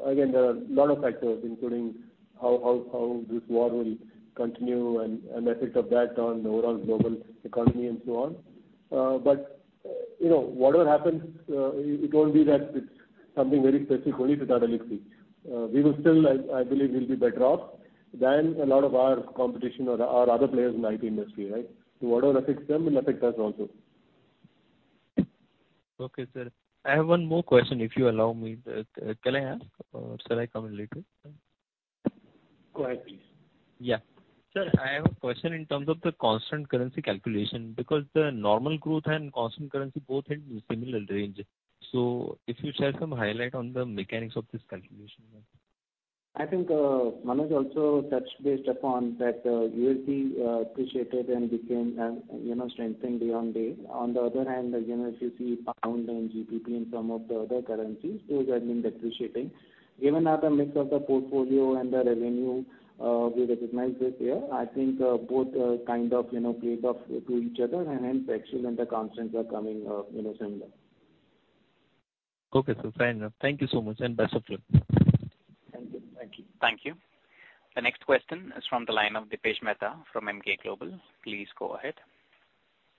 S3: again, there are a lot of factors including how this war will continue and effect of that on the overall global economy and so on. You know, whatever happens, it won't be that it's something very specific only to Tata Elxsi. We will still, I believe we'll be better off than a lot of our competition or other players in the IT industry, right? Whatever affects them will affect us also.
S15: Okay, sir. I have one more question, if you allow me. Can I ask or shall I come in later?
S3: Go ahead, please.
S15: Yeah. Sir, I have a question in terms of the constant currency calculation because the normal growth and constant currency both had similar range. If you share some highlight on the mechanics of this calculation?
S5: I think, Manoj also touched base upon that, USD appreciated and became, you know, strengthened day on day. On the other hand, again, if you see pound and GBP and some of the other currencies, those have been depreciating. Given our mix of the portfolio and the revenue we recognize this year, I think, both kind of, you know, played off to each other and the actuals and the constants are coming, you know, similar.
S15: Okay, sir. Fair enough. Thank you so much, and best of luck.
S5: Thank you.
S1: Thank you. The next question is from the line of Dipesh Mehta from Emkay Global. Please go ahead.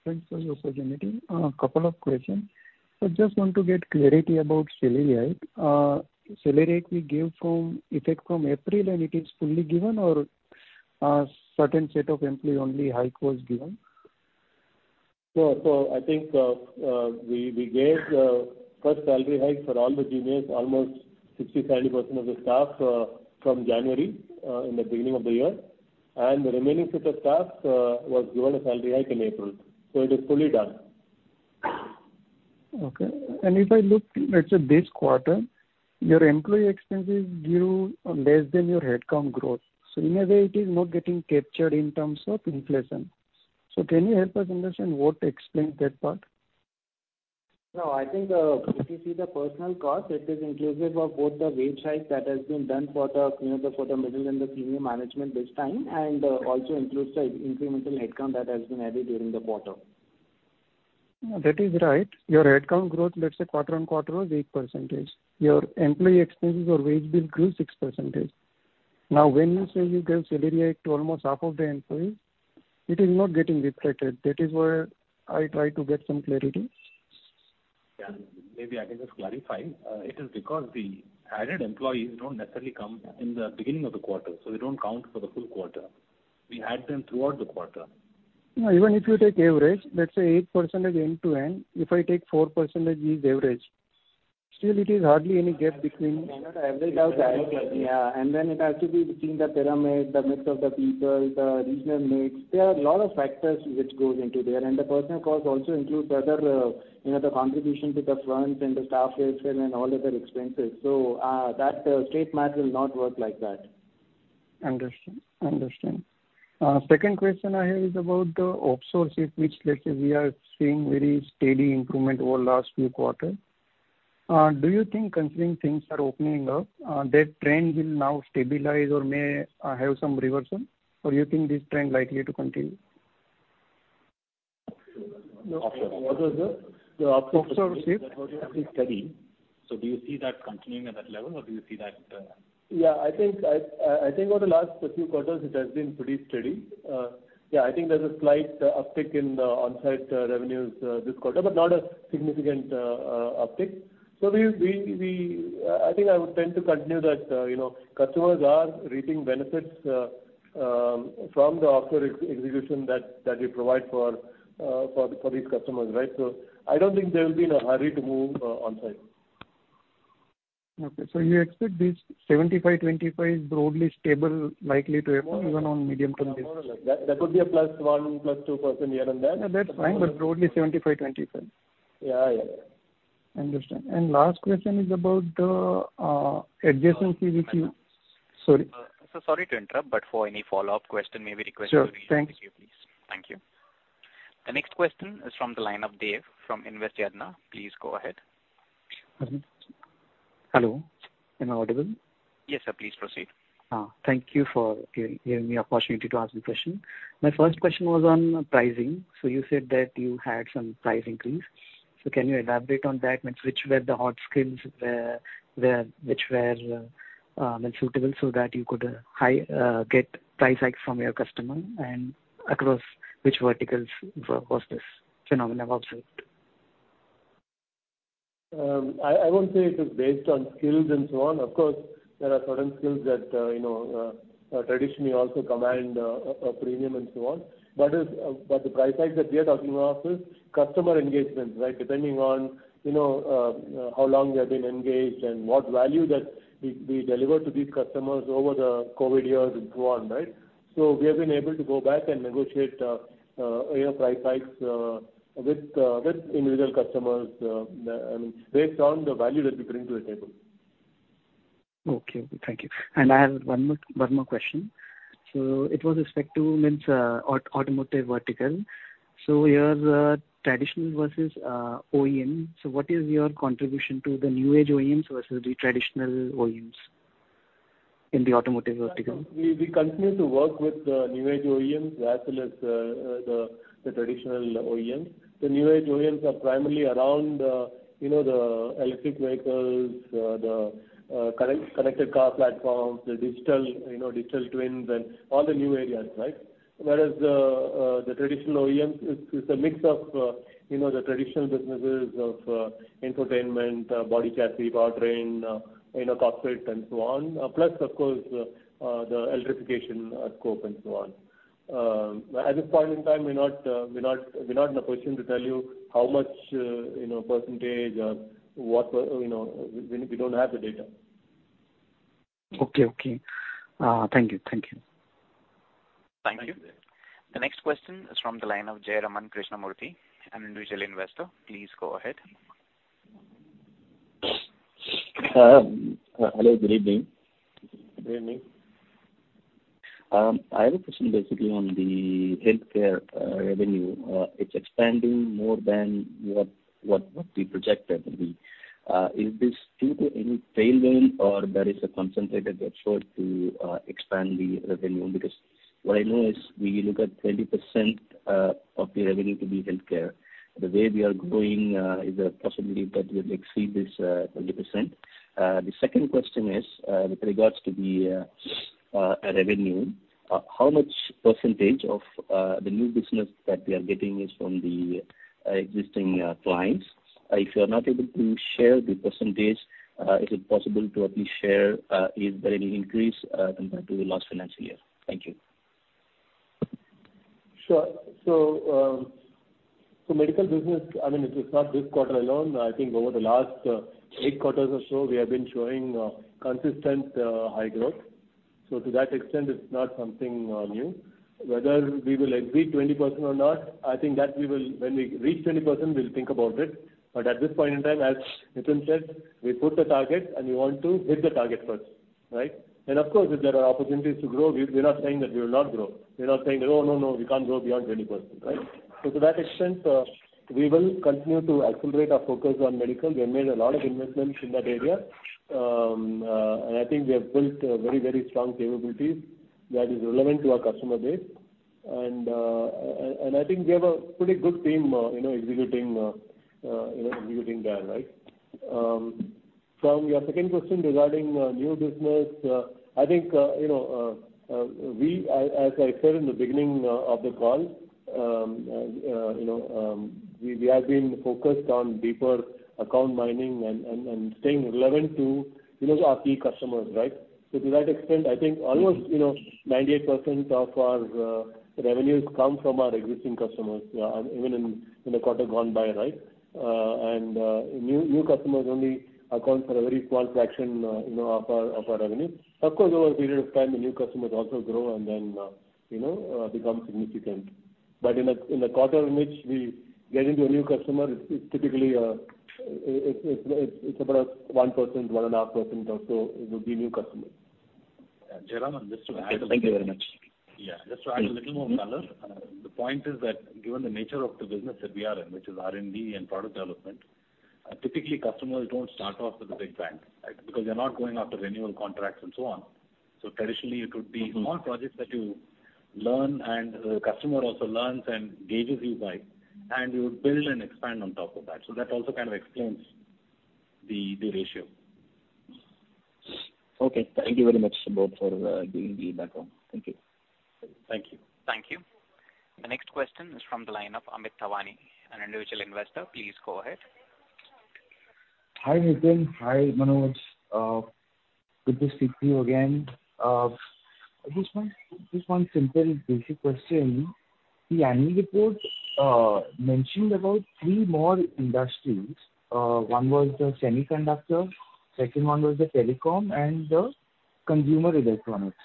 S16: Thanks for the opportunity. A couple of questions. Just want to get clarity about salary hike. Salary hike we gave effective from April, and it is fully given or a certain set of employee only hike was given?
S3: I think we gave first salary hike for all the juniors, almost 60%-70% of the staff, from January in the beginning of the year. The remaining set of staff was given a salary hike in April. It is fully done.
S16: Okay. If I look at, say, this quarter, your employee expenses grew less than your headcount growth. In a way it is not getting captured in terms of inflation. Can you help us understand what explains that part?
S5: No, I think, if you see the personnel cost, it is inclusive of both the wage hike that has been done for the, you know, for the middle and the senior management this time and also includes the incremental headcount that has been added during the quarter.
S16: That is right. Your headcount growth, let's say quarter-over-quarter was 8%. Your employee expenses or wage bill grew 6%. Now, when you say you gave salary hike to almost half of the employees, it is not getting reflected. That is where I try to get some clarity.
S8: Yeah. Maybe I can just clarify. It is because the added employees don't necessarily come in the beginning of the quarter, so they don't count for the full quarter. We add them throughout the quarter.
S16: No, even if you take average, let's say 8% end to end, if I take 4% is average, still it is hardly any gap between.
S5: You cannot average out that. Yeah. It has to be between the pyramid, the mix of the people, the regional mix. There are a lot of factors which goes into there. The personnel cost also includes other, you know, the contribution to the fund and the staff welfare and all other expenses. That straight math will not work like that.
S16: Understand. Second question I have is about the opsources, which let's say we are seeing very steady improvement over last few quarter. Do you think considering things are opening up, that trend will now stabilize or may have some reversion? Or you think this trend likely to continue?
S3: The offshore.
S16: Offshore.
S3: It was pretty steady. Do you see that continuing at that level, or do you see that? Yeah, I think over the last few quarters it has been pretty steady. Yeah, I think there's a slight uptick in the on-site revenues this quarter, but not a significant uptick. I think I would tend to continue that, you know, customers are reaping benefits from the offshore execution that we provide for these customers, right? I don't think they'll be in a hurry to move on-site.
S16: Okay. You expect this 75% to 25% broadly stable likely to occur even on medium-term basis?
S3: More or less. That could be a +1%, +2% here and there.
S16: Yeah, that's fine. Broadly 75% to 25%.
S3: Yeah, yeah.
S16: Understand. Last question is about the adjacent PVC—
S1: Sir.
S16: Sorry.
S1: Sir, sorry to interrupt, but for any follow-up question, may we request you to.
S16: Sure. Thanks.
S1: Thank you. The next question is from the line of Dev from Invest Yadnya. Please go ahead.
S17: Hello, am I audible?
S1: Yes, sir. Please proceed.
S17: Thank you for giving me opportunity to ask the question. My first question was on pricing. You said that you had some price increase. Can you elaborate on that? Which were the hot skills where which were suitable so that you could get price hike from your customer and across which verticals was this phenomenon observed?
S3: I won't say it is based on skills and so on. Of course, there are certain skills that you know traditionally also command a premium and so on. The price hike that we are talking of is customer engagement, right? Depending on you know how long they've been engaged and what value that we deliver to these customers over the COVID years and so on, right? We have been able to go back and negotiate you know price hikes with individual customers I mean based on the value that we bring to the table.
S17: Okay, thank you. I have one more question. It was with respect to the automotive vertical. Your traditional versus OEM. What is your contribution to the New Age OEMs versus the traditional OEMs in the automotive vertical?
S3: We continue to work with the New Age OEMs as well as the traditional OEMs. The New Age OEMs are primarily around you know the electric vehicles the connected car platforms the digital you know digital twins and all the new areas right? Whereas the traditional OEMs it's a mix of you know the traditional businesses of infotainment body chassis powertrain you know cockpit and so on. Plus of course the electrification scope and so on. At this point in time we're not in a position to tell you how much you know percentage or what you know we don't have the data.
S17: Okay. Thank you.
S1: Thank you. The next question is from the line of Jayraman Krishnamurthy, an individual investor. Please go ahead.
S18: Hello, good evening.
S3: Good evening.
S18: I have a question basically on the healthcare revenue. It's expanding more than what we projected. Is this due to any tailwind or there is a concentrated effort to expand the revenue? Because what I know is we look at 20% of the revenue to be healthcare. The way we are growing, is there a possibility that we'll exceed this 20%? The second question is, with regards to the revenue, how much percentage of the new business that we are getting is from the existing clients? If you are not able to share the percentage, is it possible to at least share, is there any increase compared to the last financial year? Thank you.
S3: Sure. Medical business, I mean, it is not this quarter alone. I think over the last eight quarters or so, we have been showing consistent high growth. To that extent, it's not something new. Whether we will exceed 20% or not, I think that we will, when we reach 20% we'll think about it. At this point in time, as Nitin said, we put the target and we want to hit the target first. Right. Of course, if there are opportunities to grow, we're not saying that we will not grow. We're not saying, "No, no, we can't grow beyond 20%," right? To that extent, we will continue to accelerate our focus on medical. We have made a lot of investments in that area. I think we have built a very, very strong capabilities that is relevant to our customer base. I think we have a pretty good team, you know, executing that, right. From your second question regarding new business, I think you know, as I said in the beginning of the call, you know, we have been focused on deeper account mining and staying relevant to, you know, our key customers, right? To that extent, I think almost, you know, 98% of our revenues come from our existing customers, even in the quarter gone by, right? New customers only account for a very small fraction, you know, of our revenue. Of course, over a period of time, the new customers also grow and then, you know, become significant. In the quarter in which we get into a new customer, it's typically, it's about 1%, 1.5% or so it would be new customers.
S8: Yeah, Jayraman, just to add a little—
S18: Thank you very much.
S8: Yeah. Just to add a little more color. The point is that given the nature of the business that we are in, which is R&D and product development, typically customers don't start off with a big bang, right? Because they're not going after renewal contracts and so on. So traditionally it would be small projects that you learn and the customer also learns and gauges you by, and you would build and expand on top of that. So that also kind of explains the ratio.
S18: Okay. Thank you very much, both, for giving the background. Thank you.
S8: Thank you.
S3: Thank you.
S1: The next question is from the line of Amit Thawani, an individual investor. Please go ahead.
S19: Hi, Nitin. Hi, Manoj. Good to speak to you again. Just one simple basic question. The annual report mentioned about three more industries. One was the semiconductor, second one was the telecom and the consumer electronics.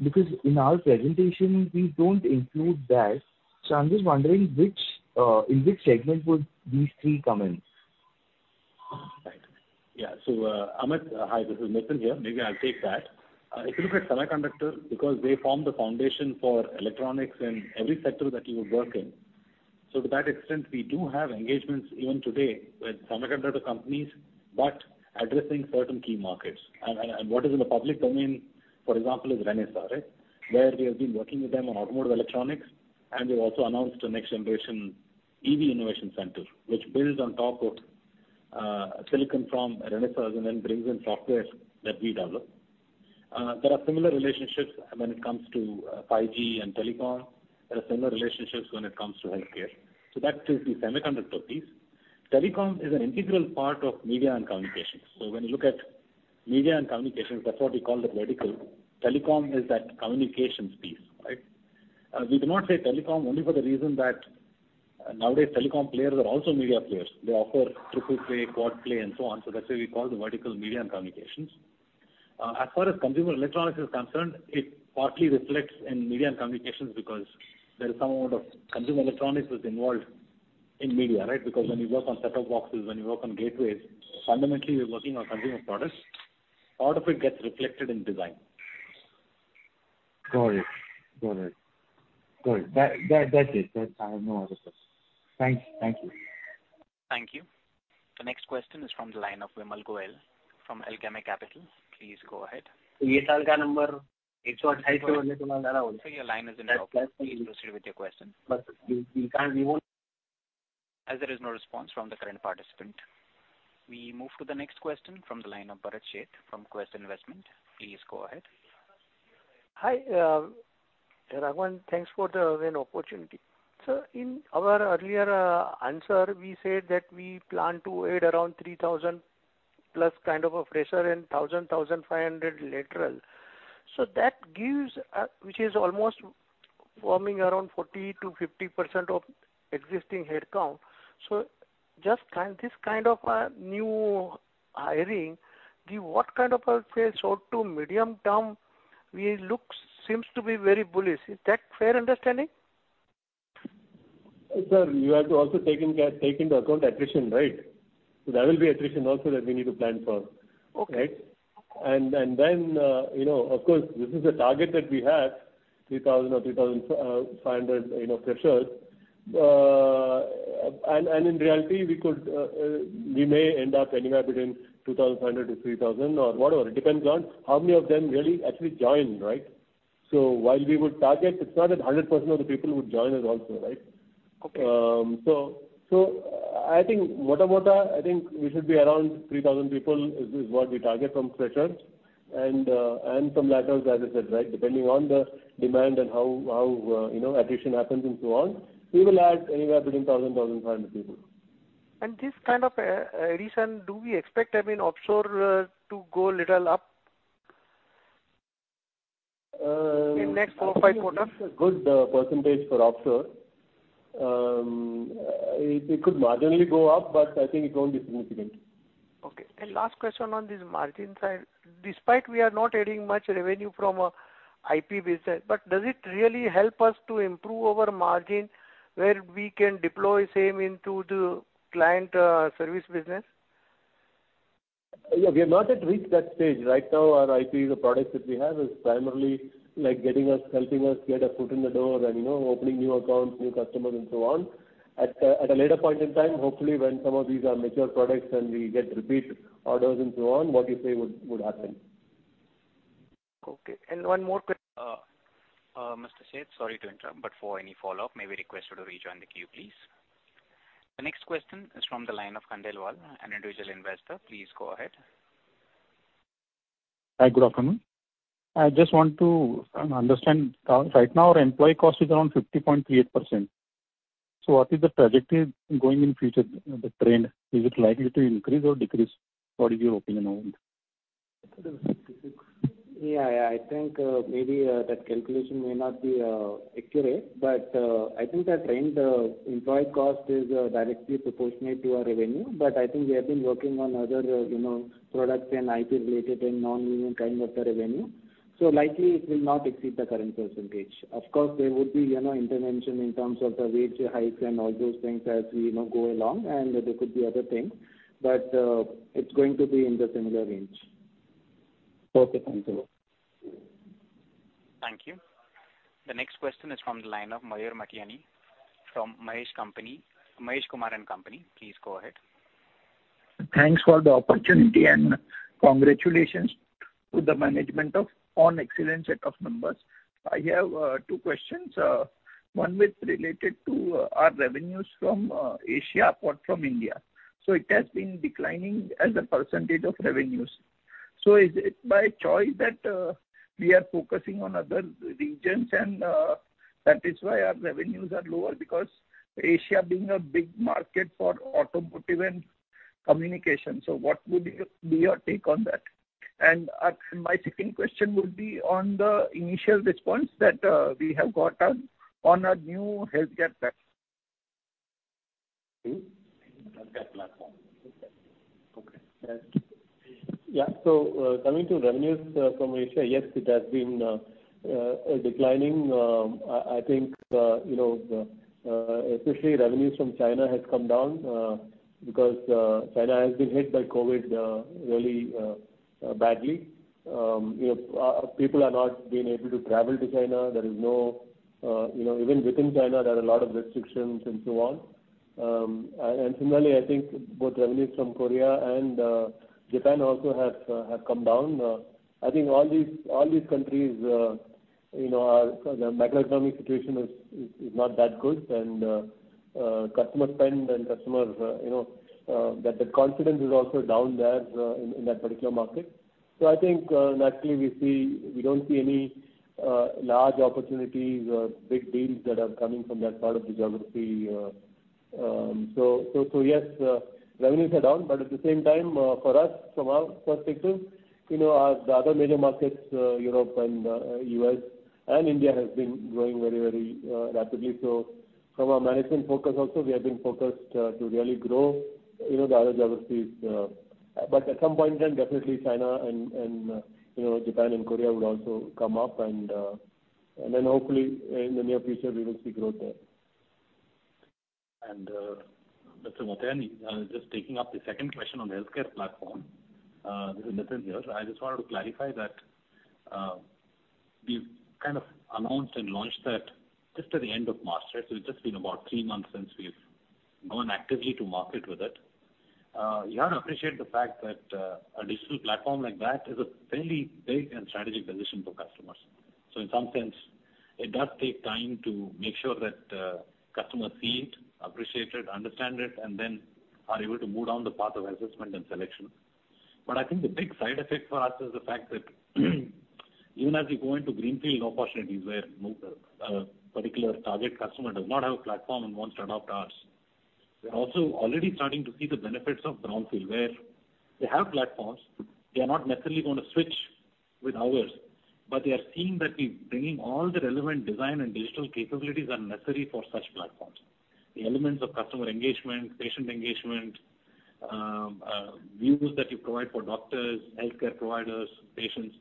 S19: Because in our presentation we don't include that, so I'm just wondering in which segment would these three come in?
S8: Right. Yeah. Amit, hi, this is Nitin here. Maybe I'll take that. If you look at semiconductor, because they form the foundation for electronics in every sector that you would work in. To that extent, we do have engagements even today with semiconductor companies, but addressing certain key markets. What is in the public domain, for example, is Renesas, right? Where we have been working with them on automotive electronics, and we've also announced a next generation EV innovation center, which builds on top of silicon from Renesas and then brings in softwares that we develop. There are similar relationships when it comes to 5G and telecom. There are similar relationships when it comes to healthcare. That is the semiconductor piece. Telecom is an integral part of media and communications. When you look at media and communications, that's what we call the vertical. Telecom is that communications piece, right? We do not say telecom only for the reason that nowadays telecom players are also media players. They offer triple play, quad play and so on. That's why we call the vertical media and communications. As far as consumer electronics is concerned, it partly reflects in media and communications because there is some amount of consumer electronics is involved in media, right? Because when you work on set-top boxes, when you work on gateways, fundamentally you're working on consumer products. Part of it gets reflected in design.
S19: Got it. That's it. I have no other questions. Thanks. Thank you.
S1: Thank you. The next question is from the line of Vimal Gohil from Alchemy Capital. Please go ahead. Sir, your line is open. Please proceed with your question.
S3: You can't remove.
S1: As there is no response from the current participant, we move to the next question from the line of Bharat Sheth from Quest Investment. Please go ahead.
S7: Hi, Raghavan. Thanks for the opportunity. Sir, in our earlier answer, we said that we plan to add around 3,000+ kind of a fresher and 1,500 lateral. That gives, which is almost forming around 40%-50% of existing headcount. Just kind, this kind of new hiring, what kind of a say short to medium term we look seems to be very bullish. Is that fair understanding?
S3: Sir, you have to also take into account attrition, right? There will be attrition also that we need to plan for, right? You know, of course, this is a target that we have, 3,000 or 3,500, you know, freshers. In reality, we could, we may end up anywhere between 2,500 to 3,000 or whatever. It depends on how many of them really actually join, right? While we would target, it's not that 100% of the people would join us also, right? I think we should be around 3,000 people is what we target from freshers. From laterals, as I said, right, depending on the demand and how you know, attrition happens and so on, we will add anywhere between 1,000 to 1,500 people.
S7: This kind of attrition, do we expect, I mean, offshore, to go a little up in next four to five quarters?
S3: I think it's a good percentage for offshore. It could marginally go up, but I think it won't be significant.
S7: Okay. Last question on this margin side. Despite we are not adding much revenue from IP business. Does it really help us to improve our margin where we can deploy same into the client, service business?
S3: Yeah. We have not yet reached that stage. Right now, our IP, the products that we have, is primarily like helping us get a foot in the door and, you know, opening new accounts, new customers, and so on. At a later point in time, hopefully, when some of these are mature products and we get repeat orders and so on, what you say would happen.
S7: Okay. One more question.
S1: Mr. Sheth, sorry to interrupt, but for any follow-up, may we request you to rejoin the queue, please. The next question is from the line of Khandelwal, an individual investor. Please go ahead.
S20: Hi, good afternoon. I just want to understand. Right now our employee cost is around 50.38%. What is the trajectory going in future, the trend? Is it likely to increase or decrease? What is your opinion on this? Yeah. I think, maybe, that calculation may not be accurate, but I think that trend, employee cost is directly proportionate to our revenue. I think we have been working on other, you know, products and IP related and non-linear kind of the revenue. Likely it will not exceed the current percentage. Of course, there would be, you know, intervention in terms of the wage hike and all those things as, you know, go along, and there could be other things. It's going to be in the similar range. Okay. Thank you.
S1: Thank you. The next question is from the line of Mayur Matayni from Maheshwari & Co. Please go ahead.
S21: Thanks for the opportunity, and congratulations to the management on an excellent set of numbers. I have two questions. One related to our revenues from Asia apart from India. It has been declining as a percentage of revenues. Is it by choice that we are focusing on other regions and that is why our revenues are lower? Because Asia being a big market for automotive and communication. What would be your take on that? My second question would be on the initial response that we have got on a new healthcare platform.
S3: Healthcare platform. Coming to revenues from Asia, yes, it has been declining. I think you know, especially revenues from China has come down because China has been hit by COVID really badly. You know, people are not being able to travel to China. There is no, you know, even within China, there are a lot of restrictions and so on. Similarly, I think both revenues from Korea and Japan also have come down. I think all these countries, you know, or the macroeconomic situation is not that good. Customer spend and customer confidence is also down there in that particular market. I think naturally we don't see any large opportunities or big deals that are coming from that part of the geography. Yes, revenues are down, but at the same time, for us, from our perspective, you know, the other major markets, Europe and U.S. and India has been growing very rapidly. From a management focus also we have been focused to really grow you know the other geographies. At some point in time, definitely China and you know Japan and Korea would also come up and then hopefully in the near future we will see growth there.
S8: Mr. Motiani, just taking up the second question on the healthcare platform, this is Nitin here. I just wanted to clarify that, we've kind of announced and launched that just at the end of March, right? It's just been about three months since we've gone actively to market with it. You have to appreciate the fact that a digital platform like that is a fairly big and strategic decision for customers. In some sense, it does take time to make sure that customers see it, appreciate it, understand it, and then are able to move down the path of assessment and selection. I think the big side effect for us is the fact that even as we go into greenfield opportunities where a particular target customer does not have a platform and wants to adopt ours, we're also already starting to see the benefits of brownfield, where they have platforms, they are not necessarily going to switch with ours, but they are seeing that we're bringing all the relevant design and digital capabilities that are necessary for such platforms. The elements of customer engagement, patient engagement, views that you provide for doctors, healthcare providers, patients.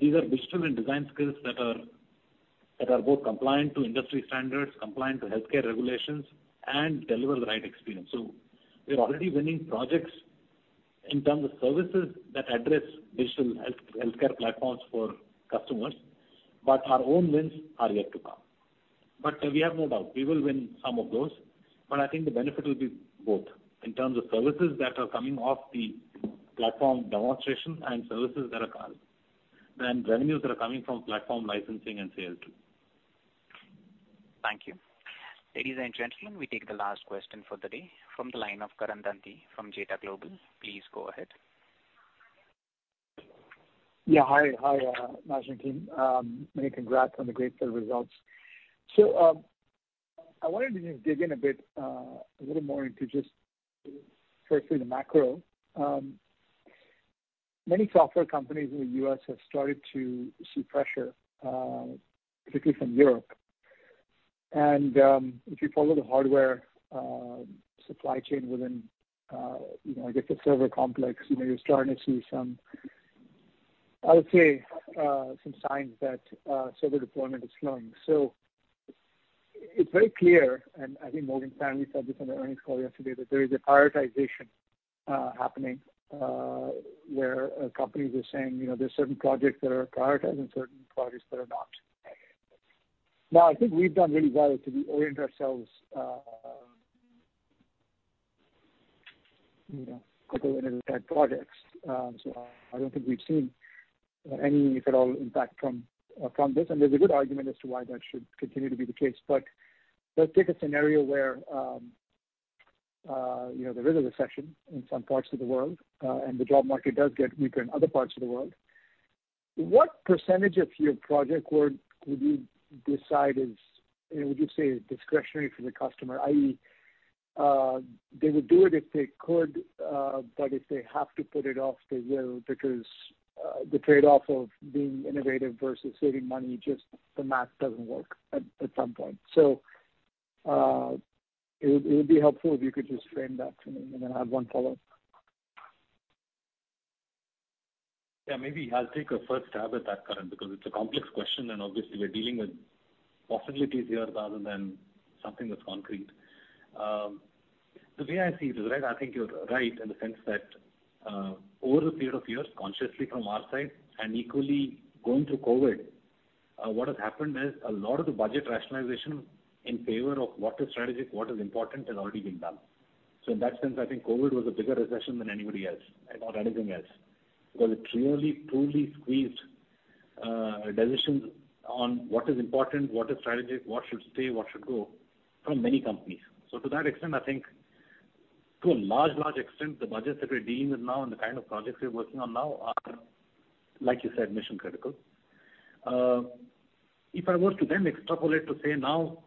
S8: These are digital and design skills that are both compliant to industry standards, compliant to healthcare regulations, and deliver the right experience. We're already winning projects in terms of services that address digital healthcare platforms for customers, but our own wins are yet to come. We have no doubt we will win some of those. I think the benefit will be both in terms of services that are coming off the platform demonstrations and services that are coming, and revenues that are coming from platform licensing and sale too.
S1: Thank you. Ladies and gentlemen, we take the last question for the day from the line of Karan Danthi from Jetha Global. Please go ahead.
S22: Yeah. Hi. Hi, management team. Many congrats on the great set of results. I wanted to just dig in a bit, a little more into just firstly the macro. Many software companies in the U.S. have started to see pressure, particularly from Europe. If you follow the hardware, supply chain within, you know, I guess the server complex, you know, you're starting to see some, I would say, some signs that, server deployment is slowing. It's very clear, and I think Morgan Stanley said this on the earnings call yesterday, that there is a prioritization, happening, where companies are saying, you know, there are certain projects that are prioritized and certain projects that are not. Now, I think we've done really well to reorient ourselves, you know, couple of energy tech projects. I don't think we've seen any, if at all, impact from this. There's a good argument as to why that should continue to be the case. Let's take a scenario where, you know, there is a recession in some parts of the world, and the job market does get weaker in other parts of the world. What percentage of your project work would you decide is, would you say is discretionary for the customer? I.e., they would do it if they could, but if they have to put it off, they will because the trade-off of being innovative versus saving money just the math doesn't work at some point. It would be helpful if you could just frame that for me, and then I have one follow-up.
S8: Yeah, maybe I'll take a first stab at that, Karan, because it's a complex question, and obviously we're dealing with possibilities here rather than something that's concrete. The way I see it, right, I think you're right in the sense that, over the period of years, consciously from our side and equally going through COVID, what has happened is a lot of the budget rationalization in favor of what is strategic, what is important has already been done. In that sense, I think COVID was a bigger recession than anybody else and not anything else. Because it clearly, truly squeezed, decisions on what is important, what is strategic, what should stay, what should go from many companies. To that extent, I think to a large extent, the budgets that we're dealing with now and the kind of projects we're working on now are, like you said, mission-critical. If I were to then extrapolate to say now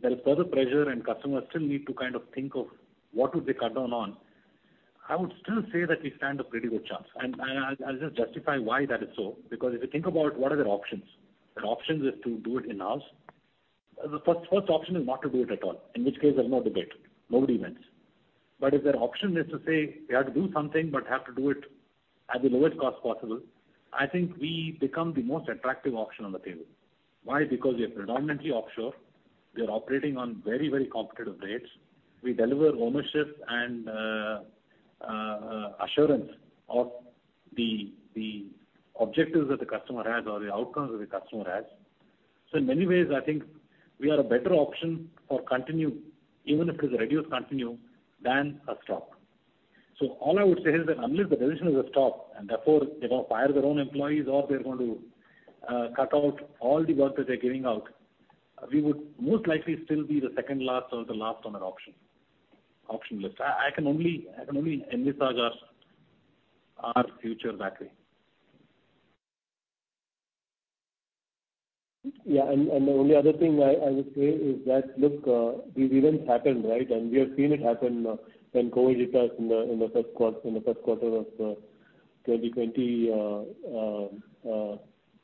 S8: there is further pressure and customers still need to kind of think of what would they cut down on, I would still say that we stand a pretty good chance. I'll just justify why that is so because if you think about what are their options, their options is to do it in-house. The first option is not to do it at all, in which case there's no debate. Nobody wins. If their option is to say we have to do something but have to do it at the lowest cost possible, I think we become the most attractive option on the table. Why? Because we are predominantly offshore. We are operating on very, very competitive rates. We deliver ownership and assurance of the objectives that the customer has or the outcomes that the customer has. In many ways, I think we are a better option for continue, even if it's a reduced continue than a stop. All I would say is that unless the decision is a stop, and therefore they're gonna fire their own employees or they're going to cut out all the work that they're giving out, we would most likely still be the second last or the last on their option list. I can only envisage our future that way.
S3: Yeah. The only other thing I would say is that, look, these events happened, right? We have seen it happen when COVID hit us in the first quarter of 2020.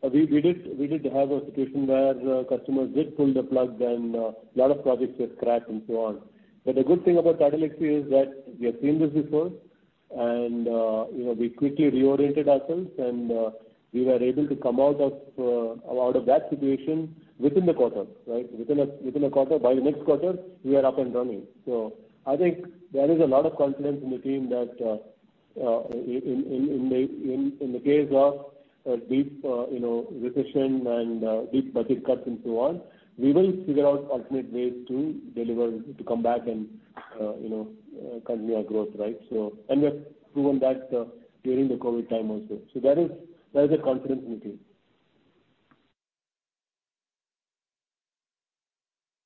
S3: We did have a situation where customers did pull the plug and lot of projects were scrapped and so on. The good thing about Tata Elxsi is that we have seen this before and, you know, we quickly reoriented ourselves, and we were able to come out of that situation within the quarter, right? Within a quarter. By the next quarter we are up and running. I think there is a lot of confidence in the team that, in the case of a deep, you know, recession and, deep budget cuts and so on, we will figure out alternate ways to deliver, to come back and, you know, continue our growth, right? We have proven that, during the COVID time also. There is a confidence in the team.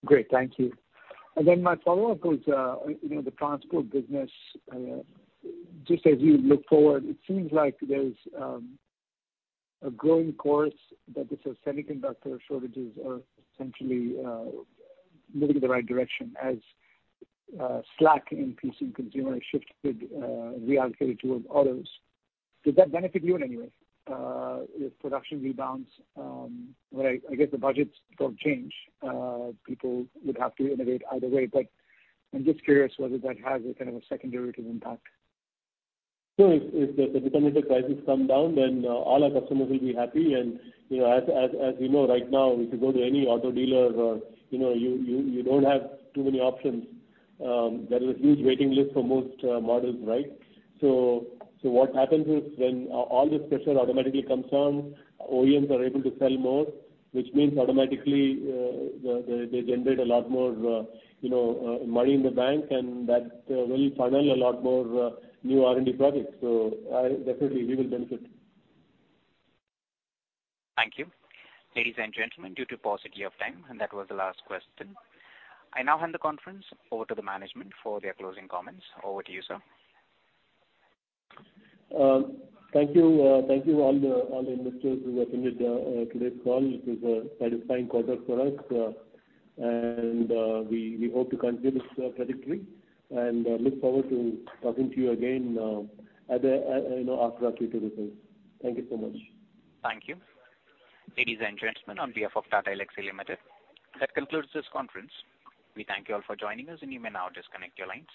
S22: Great. Thank you. My follow-up was, you know, the transport business. Just as you look forward, it seems like there's a growing chorus that the semiconductor shortages are essentially moving in the right direction as slack in PC and consumer shifted reallocated towards autos. Does that benefit you in any way? If production rebounds, where I guess the budgets don't change, people would have to innovate either way. I'm just curious whether that has a kind of a secondary impact.
S3: Sure. If the semiconductor prices come down, then all our customers will be happy. You know, as we know right now, if you go to any auto dealer, you know, you don't have too many options. There is a huge waiting list for most models, right? What happens is when all this pressure automatically comes on, OEMs are able to sell more, which means automatically they generate a lot more you know money in the bank, and that will funnel a lot more new R&D projects. Definitely we will benefit.
S1: Thank you. Ladies and gentlemen, due to paucity of time and that was the last question, I now hand the conference over to the management for their closing comments. Over to you, sir.
S3: Thank you. Thank you all the investors who attended today's call. It was a satisfying quarter for us, and we hope to continue this trajectory and look forward to talking to you again, you know, after our Q2 results. Thank you so much.
S1: Thank you. Ladies and gentlemen, on behalf of Tata Elxsi Limited, that concludes this conference. We thank you all for joining us, and you may now disconnect your lines.